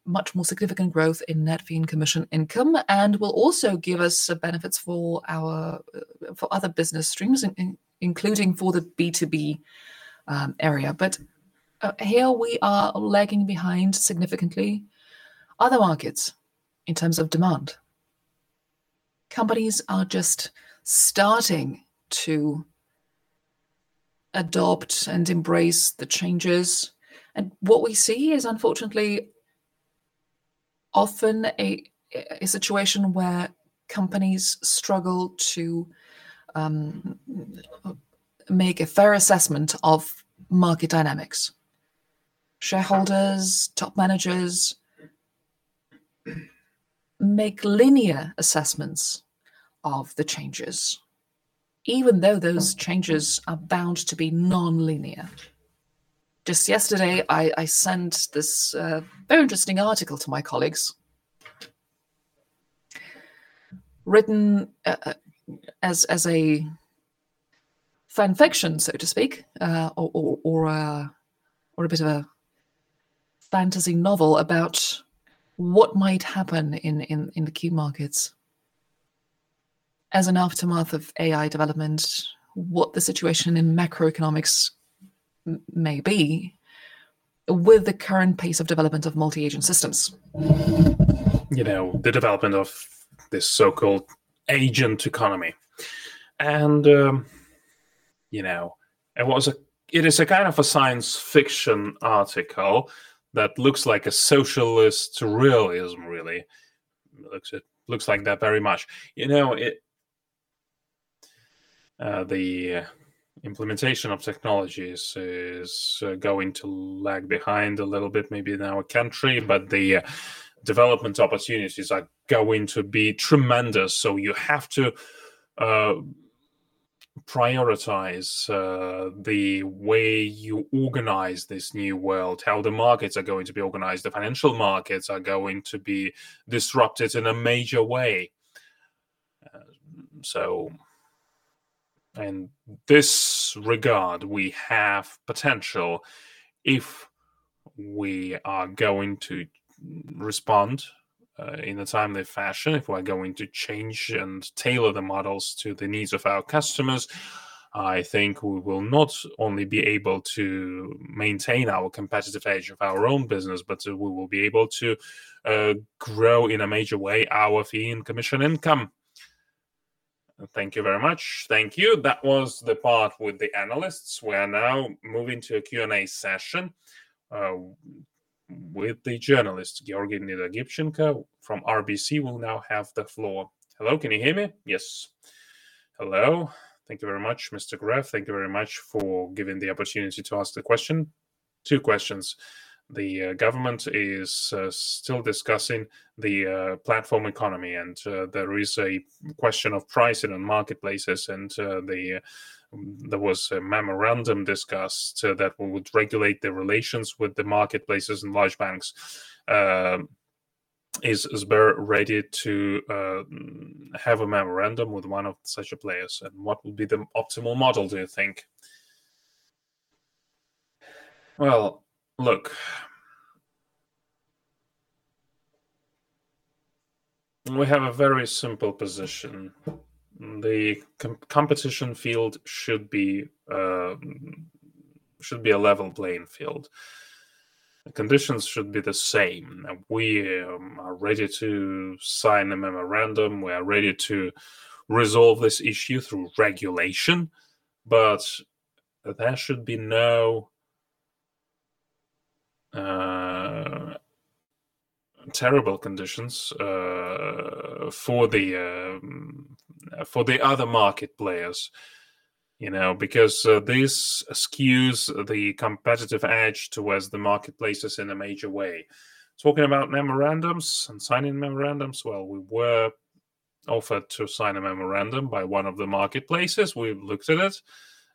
much more significant growth in net fee and commission income, and will also give us the benefits for our for other business streams, including for the B2B area. Here we are lagging behind significantly other markets in terms of demand. Companies are just starting to adopt and embrace the changes, and what we see is, unfortunately, often a situation where companies struggle to make a fair assessment of market dynamics. Shareholders, top managers, make linear assessments of the changes, even though those changes are bound to be non-linear. Just yesterday, I sent this very interesting article to my colleagues, written as a fan fiction, so to speak, or a bit of a fantasy novel about what might happen in the key markets as an aftermath of AI development, what the situation in macroeconomics may be with the current pace of development of multi-agent systems. You know, the development of this so-called agent economy. You know, and it is a kind of a science fiction article that looks like a socialist realism, really. It looks like that very much. You know, it the implementation of technologies is going to lag behind a little bit, maybe in our country, but the development opportunities are going to be tremendous. You have to prioritize the way you organize this new world, how the markets are going to be organized. The financial markets are going to be disrupted in a major way. In this regard, we have potential if we are going to respond in a timely fashion, if we're going to change and tailor the models to the needs of our customers, I think we will not only be able to maintain our competitive edge of our own business, but we will be able to grow in a major way, our fee and commission income. Thank you very much. Thank you. That was the part with the analysts. We are now moving to a Q&A session with the journalist Georgiy Nitogipchenko from RBC will now have the floor. Hello, can you hear me? Yes. Hello. Thank you very much, Mr. Gref. Thank you very much for giving the opportunity to ask the question. Two questions: the government is still discussing the platform economy, and there is a question of pricing in marketplaces, and there was a memorandum discussed that would regulate the relations with the marketplaces and large banks. Is Sber ready to have a memorandum with one of such players? What will be the optimal model, do you think? Well, look, we have a very simple position. The competition field should be a level playing field. Conditions should be the same, and we are ready to sign a memorandum. We are ready to resolve this issue through regulation. There should be no terrible conditions for the other market players, you know, because this skews the competitive edge towards the marketplaces in a major way. Talking about memorandums and signing memorandums, well, we were offered to sign a memorandum by one of the marketplaces. We've looked at it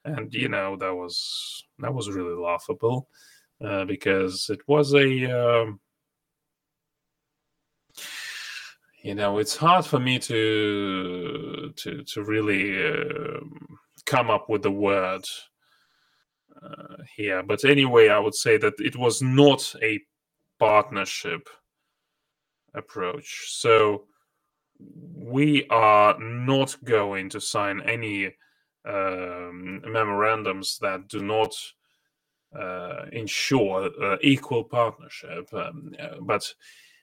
and, you know, that was really laughable because it was a... You know, it's hard for me to really come up with the word here, anyway, I would say that it was not a partnership approach. We are not going to sign any memorandums that do not ensure equal partnership.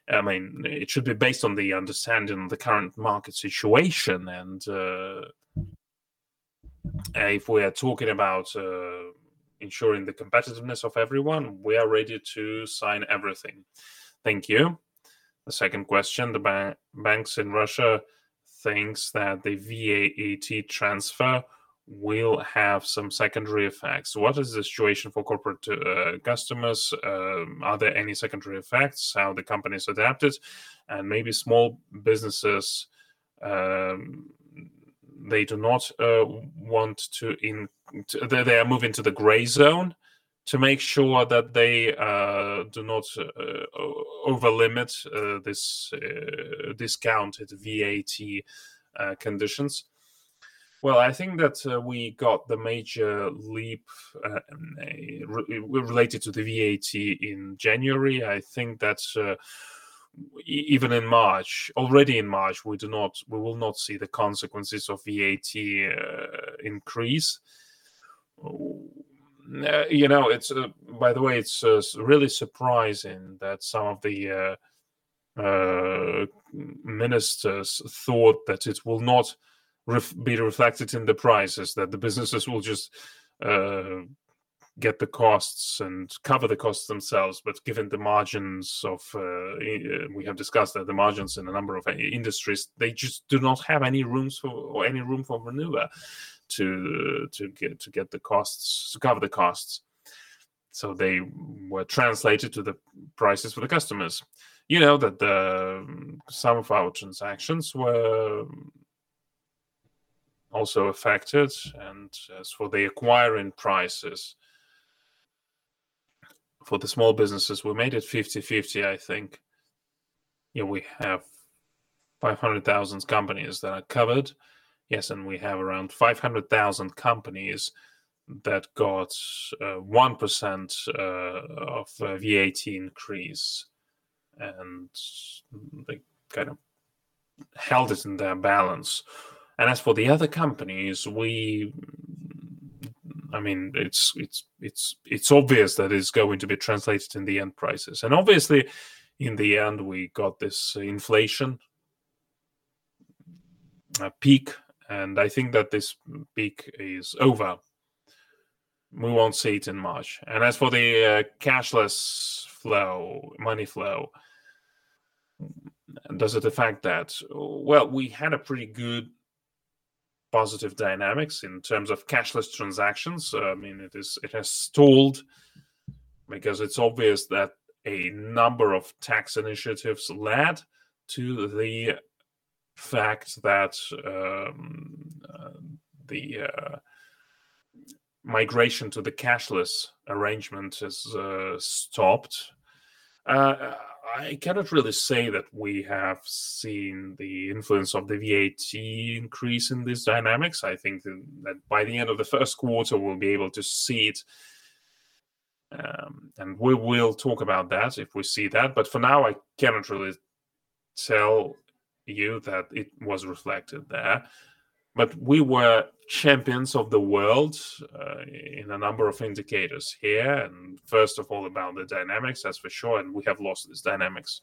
I mean, it should be based on the understanding of the current market situation, if we are talking about ensuring the competitiveness of everyone, we are ready to sign everything. Thank you. The second question, the banks in Russia thinks that the VAT transfer will have some secondary effects. What is the situation for corporate customers? Are there any secondary effects, how the companies adapted? Maybe small businesses, they do not want to they are moving to the gray zone to make sure that they do not over limit this discounted VAT conditions. Well, I think that we got the major leap related to the VAT in January. I think that even in March, already in March, we will not see the consequences of VAT increase. You know, By the way, it's really surprising that some of the ministers thought that it will not be reflected in the prices, that the businesses will just get the costs and cover the costs themselves. Given the margins of, we have discussed that the margins in a number of industries, they just do not have any room for maneuver to cover the costs. They were translated to the prices for the customers. You know, that some of our transactions were also affected, and as for the acquiring prices for the small businesses, we made it 50/50, I think. We have 500,000 companies that are covered. We have around 500,000 companies that got 1% of VAT increase, and they kind of held it in their balance. As for the other companies, I mean, it's obvious that it's going to be translated in the end prices. Obviously, in the end, we got this. a peak, I think that this peak is over. We won't see it in March. As for the cashless flow, money flow, does it affect that? We had a pretty good positive dynamics in terms of cashless transactions. I mean, it has stalled because it's obvious that a number of tax initiatives led to the fact that the migration to the cashless arrangement has stopped. I cannot really say that we have seen the influence of the VAT increase in this dynamics. I think that by the end of the first quarter, we'll be able to see it. We will talk about that if we see that, for now, I cannot really tell you that it was reflected there. We were champions of the world, in a number of indicators here, and first of all, about the dynamics, that's for sure, and we have lost this dynamics.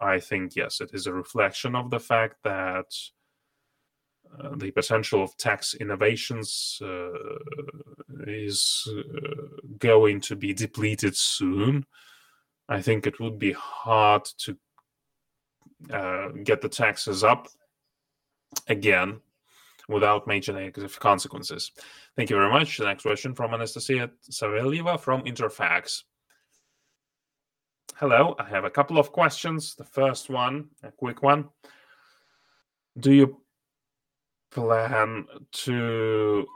I think, yes, it is a reflection of the fact that the potential of tax innovations is going to be depleted soon. I think it would be hard to get the taxes up again without major negative consequences. Thank you very much. The next question from Anastasia Savelyeva from Interfax. Hello. I have a couple of questions. The first one, a quick one: Do you plan to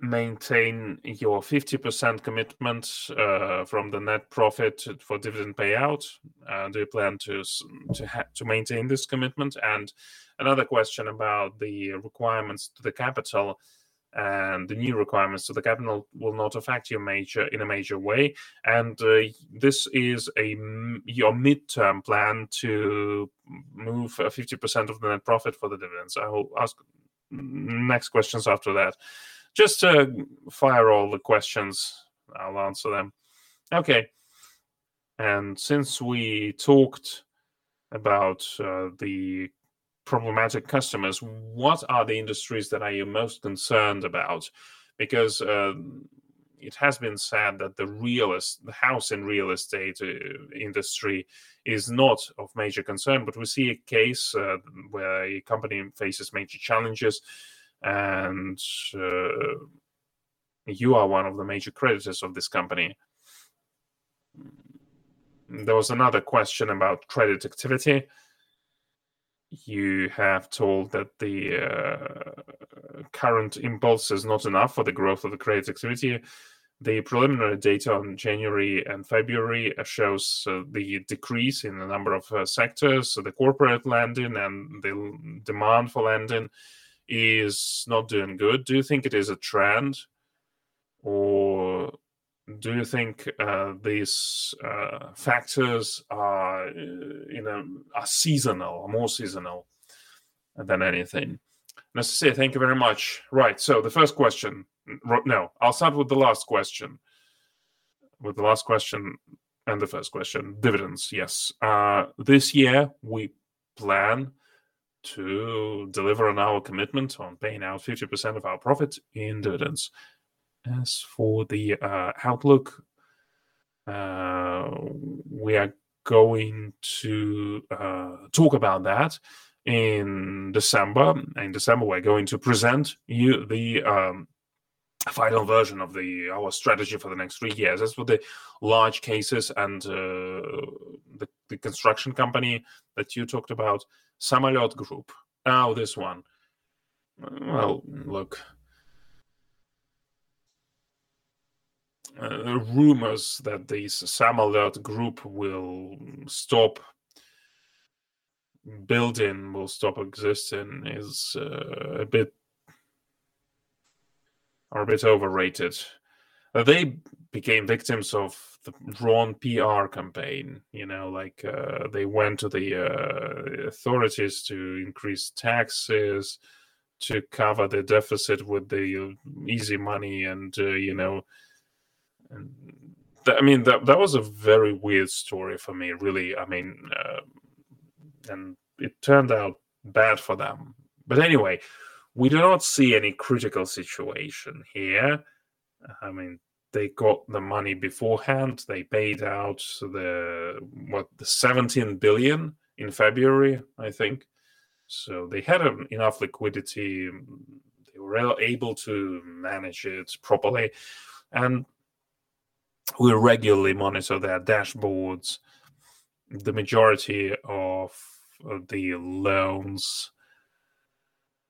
maintain your 50% commitment from the net profit for dividend payout? Do you plan to maintain this commitment? Another question about the requirements to the capital. The new requirements to the capital will not affect your major, in a major way. This is your midterm plan to move 50% of the net profit for the dividends. I will ask next questions after that. Just to fire all the questions, I'll answer them. Since we talked about the problematic customers, what are the industries that are you most concerned about? Because it has been said that the house and real estate industry is not of major concern, but we see a case where a company faces major challenges, and you are one of the major creditors of this company. There was another question about credit activity. You have told that the current impulse is not enough for the growth of the credit activity. The preliminary data on January and February shows the decrease in the number of sectors, the corporate lending and the demand for lending is not doing good. Do you think it is a trend, or do you think these factors are, you know, are seasonal, are more seasonal than anything? Anastasia, thank you very much. Right, the first question, no, I'll start with the last question and the first question. Dividends, yes. This year, we plan to deliver on our commitment on paying out 50% of our profits in dividends. As for the outlook, we are going to talk about that in December. In December, we're going to present you the final version of our strategy for the next three years. As for the large cases and the construction company that you talked about, Samolet Group. Now, this one, well, look, rumors that the Samolet Group will stop building, will stop existing, are a bit overrated. They became victims of the wrong PR campaign, you know, like, they went to the authorities to increase taxes to cover the deficit with the easy money and, you know. That, I mean, that was a very weird story for me, really. I mean, and it turned out bad for them. Anyway, we do not see any critical situation here. I mean, they got the money beforehand. They paid out the, what? The 17 billion in February, I think. They had enough liquidity. They were able to manage it properly, and we regularly monitor their dashboards. The majority of the loans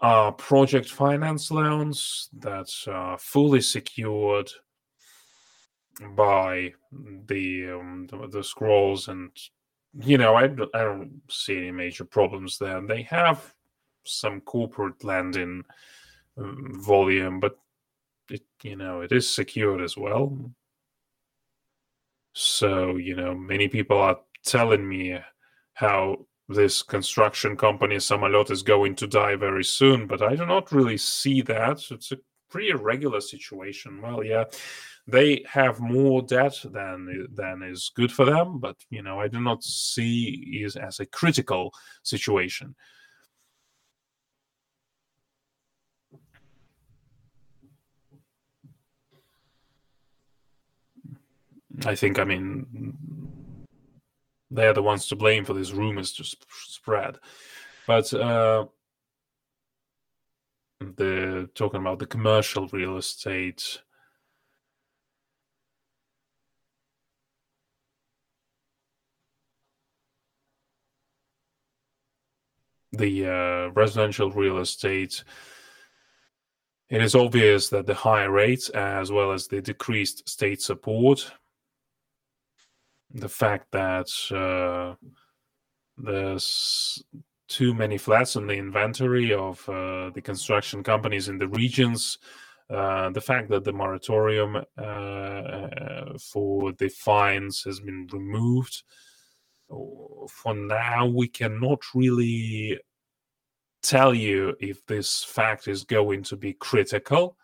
are project finance loans that are fully secured by the escrows, and, you know, I don't see any major problems there. They have some corporate lending volume, but it, you know, it is secured as well. You know, many people are telling me how this construction company, Samolet, is going to die very soon, but I do not really see that. It's a pretty irregular situation. Yeah, they have more debt than is good for them, but, you know, I do not see it as a critical situation. I think, I mean, they are the ones to blame for these rumors to spread. Talking about the commercial real estate, the residential real estate, it is obvious that the high rates, as well as the decreased state support, the fact that there's too many flats on the inventory of the construction companies in the regions, the fact that the moratorium for the fines has been removed. For now, we cannot really tell you if this fact is going to be critical,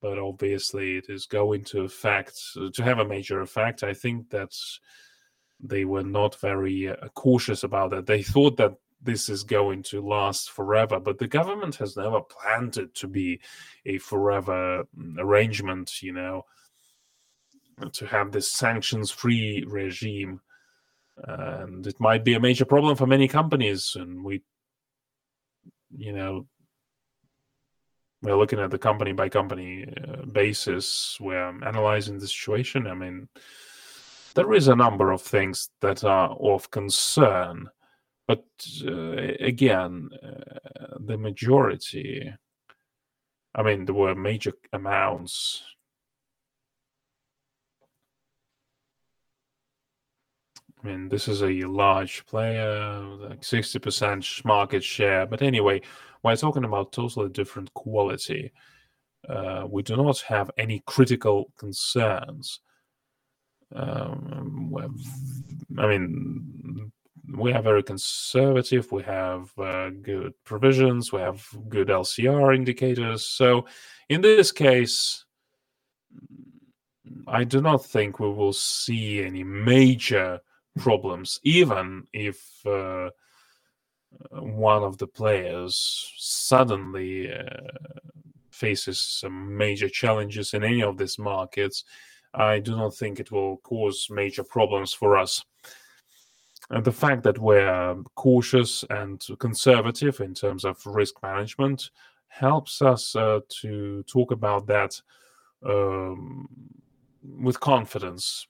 but obviously it is going to affect to have a major effect. I think that they were not very cautious about it. They thought that this is going to last forever, but the government has never planned it to be a forever arrangement, you know, to have this sanctions-free regime. It might be a major problem for many companies, and we, you know, we're looking at the company-by-company basis. We're analyzing the situation. I mean, there is a number of things that are of concern, again, I mean, there were major amounts. I mean, this is a large player, like 60% market share. We're talking about totally different quality. We do not have any critical concerns. Well, I mean, we are very conservative, we have good provisions, we have good LCR indicators. In this case, I do not think we will see any major problems, even if one of the players suddenly faces some major challenges in any of these markets. I do not think it will cause major problems for us. The fact that we're cautious and conservative in terms of risk management, helps us to talk about that with confidence.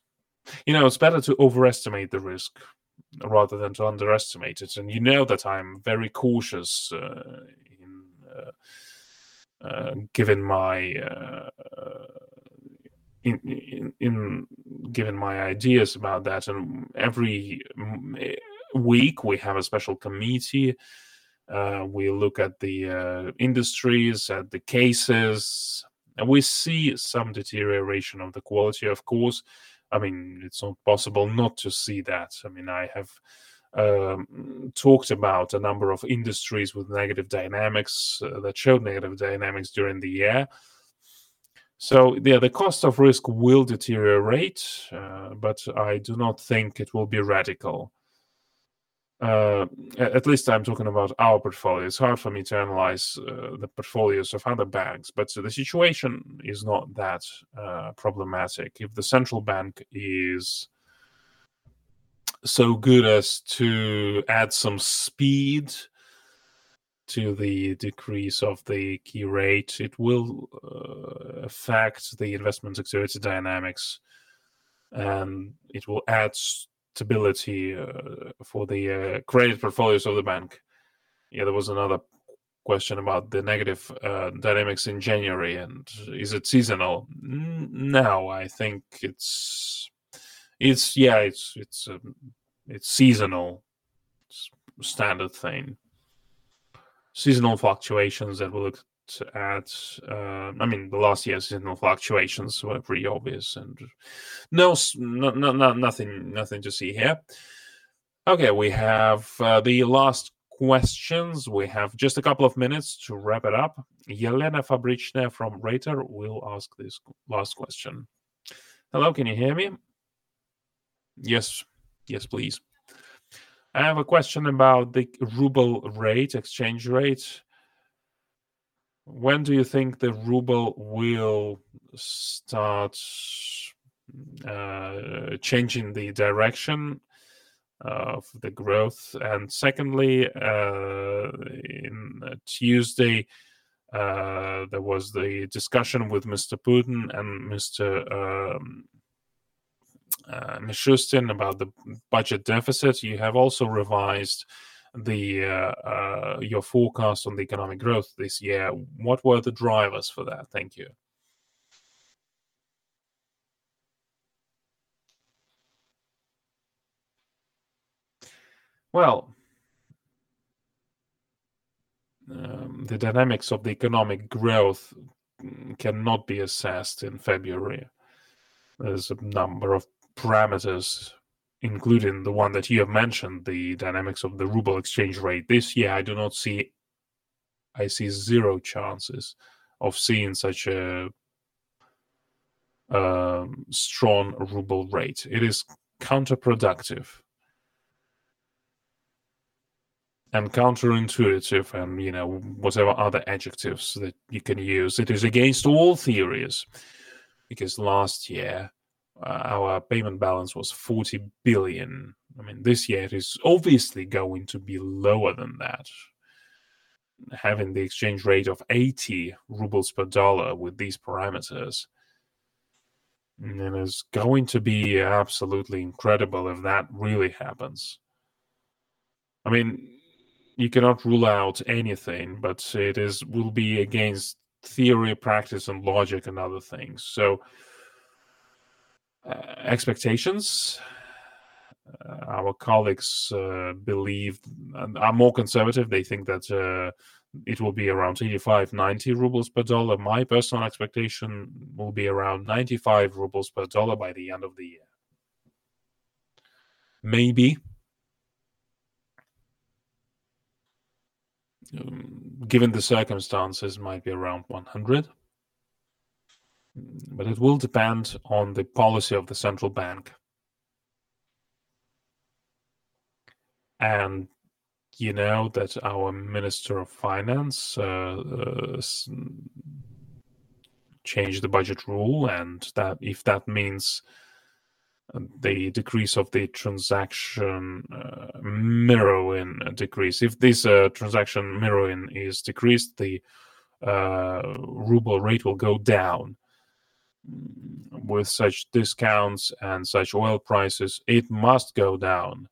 You know, it's better to overestimate the risk rather than to underestimate it, and you know that I'm very cautious, in giving my ideas about that. Every week, we have a special committee. We look at the industries, at the cases, and we see some deterioration of the quality, of course. I mean, it's not possible not to see that. I mean, I have talked about a number of industries with negative dynamics that showed negative dynamics during the year. Yeah, the cost of risk will deteriorate, but I do not think it will be radical. At least I'm talking about our portfolio. It's hard for me to analyze the portfolios of other banks, but the situation is not that problematic. If the central bank is so good as to add some speed to the decrease of the key rate, it will affect the investment activity dynamics, and it will add stability for the credit portfolios of the bank. Yeah, there was another question about the negative dynamics in January, and is it seasonal? Now, I think it's yeah, it's seasonal. Standard thing. Seasonal fluctuations that we looked at. I mean, the last year's seasonal fluctuations were pretty obvious and no, nothing to see here. Okay, we have the last questions. We have just a couple of minutes to wrap it up. Elena Fabrichnaya from Reuters will ask this last question. Hello, can you hear me? Yes. Yes, please. I have a question about the ruble rate, exchange rate. When do you think the ruble will start changing the direction of the growth? Secondly, in Tuesday, there was the discussion with Mr. Putin and Mr. Mishustin about the budget deficit. You have also revised the your forecast on the economic growth this year. What were the drivers for that? Thank you. Well, the dynamics of the economic growth cannot be assessed in February. There's a number of parameters, including the one that you have mentioned, the dynamics of the ruble exchange rate. This year, I see 0 chances of seeing such a strong ruble rate. It is counterproductive. Counterintuitive, and, you know, whatever other adjectives that you can use. It is against all theories, because last year, our payment balance was $40 billion. I mean, this year is obviously going to be lower than that. Having the exchange rate of 80 rubles per dollar with these parameters, is going to be absolutely incredible if that really happens. I mean, you cannot rule out anything, but it will be against theory, practice, and logic and other things. Expectations, our colleagues believe and are more conservative. They think that it will be around 85-90 rubles per dollar. My personal expectation will be around 95 rubles per dollar by the end of the year. Maybe, given the circumstances, might be around 100, but it will depend on the policy of the central bank. You know that our Minister of Finance changed the budget rule, if that means the decrease of the transaction, mirroring decrease. If this transaction mirroring is decreased, the ruble rate will go down. With such discounts and such oil prices, it must go down,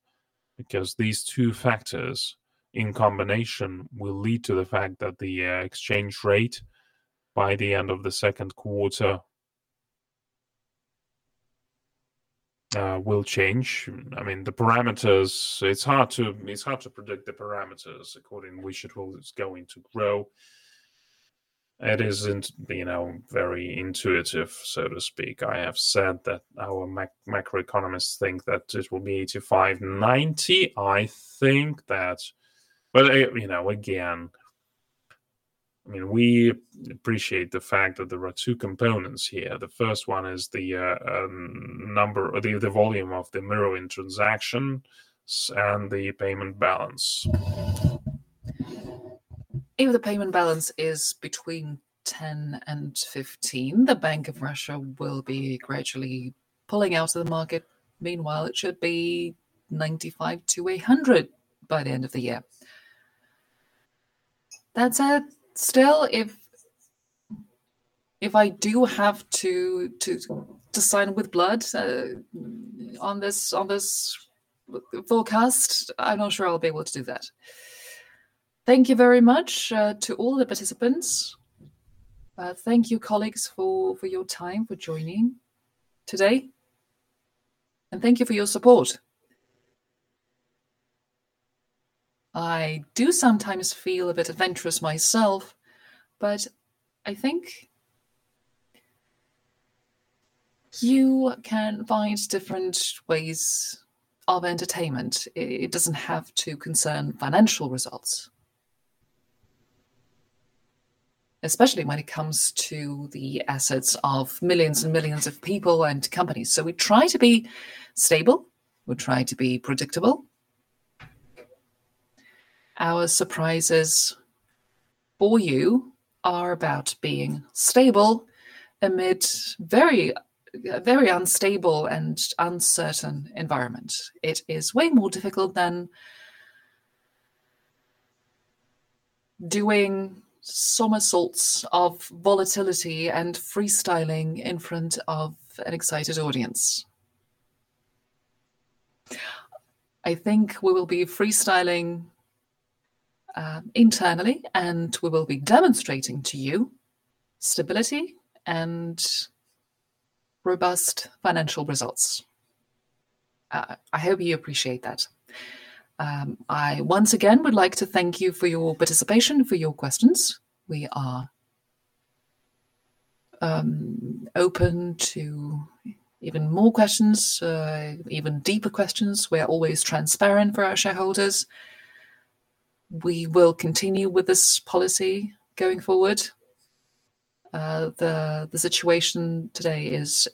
because these two factors in combination will lead to the fact that the exchange rate by the end of the second quarter will change. I mean, the parameters, it's hard to, it's hard to predict the parameters according which it's going to grow. It isn't, you know, very intuitive, so to speak. I have said that our macroeconomists think that it will be 85, 90. I think that, you know, again, I mean, we appreciate the fact that there are two components here. The first one is the volume of the mirroring transaction and the payment balance. If the payment balance is between 10 and 15, the Bank of Russia will be gradually pulling out of the market. Meanwhile, it should be 95 to 100 by the end of the year. Still, if I do have to sign with blood on this forecast, I'm not sure I'll be able to do that. Thank you very much to all the participants. Thank you, colleagues, for your time, for joining today, and thank you for your support. I do sometimes feel a bit adventurous myself, but I think you can find different ways of entertainment. It doesn't have to concern financial results, especially when it comes to the assets of millions and millions of people and companies. We try to be stable, we try to be predictable. Our surprises for you are about being stable amid very, very unstable and uncertain environment. It is way more difficult than doing somersaults of volatility and freestyling in front of an excited audience. I think we will be freestyling internally, we will be demonstrating to you stability and robust financial results. I hope you appreciate that. I once again would like to thank you for your participation, for your questions. We are open to even more questions, even deeper questions. We are always transparent for our shareholders. We will continue with this policy going forward. The situation today is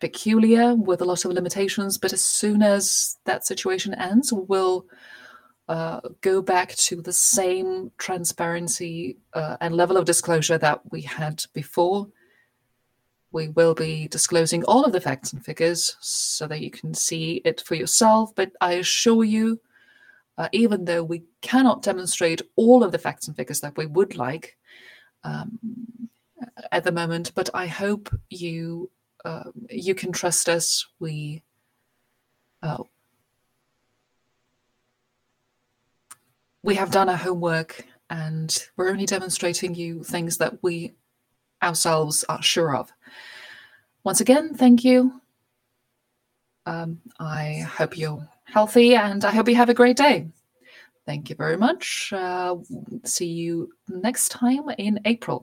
peculiar with a lot of limitations, as soon as that situation ends, we'll go back to the same transparency and level of disclosure that we had before. We will be disclosing all of the facts and figures so that you can see it for yourself. I assure you, even though we cannot demonstrate all of the facts and figures that we would like at the moment, but I hope you can trust us. We have done our homework, and we're only demonstrating you things that we ourselves are sure of. Once again, thank you. I hope you're healthy, and I hope you have a great day. Thank you very much. See you next time in April.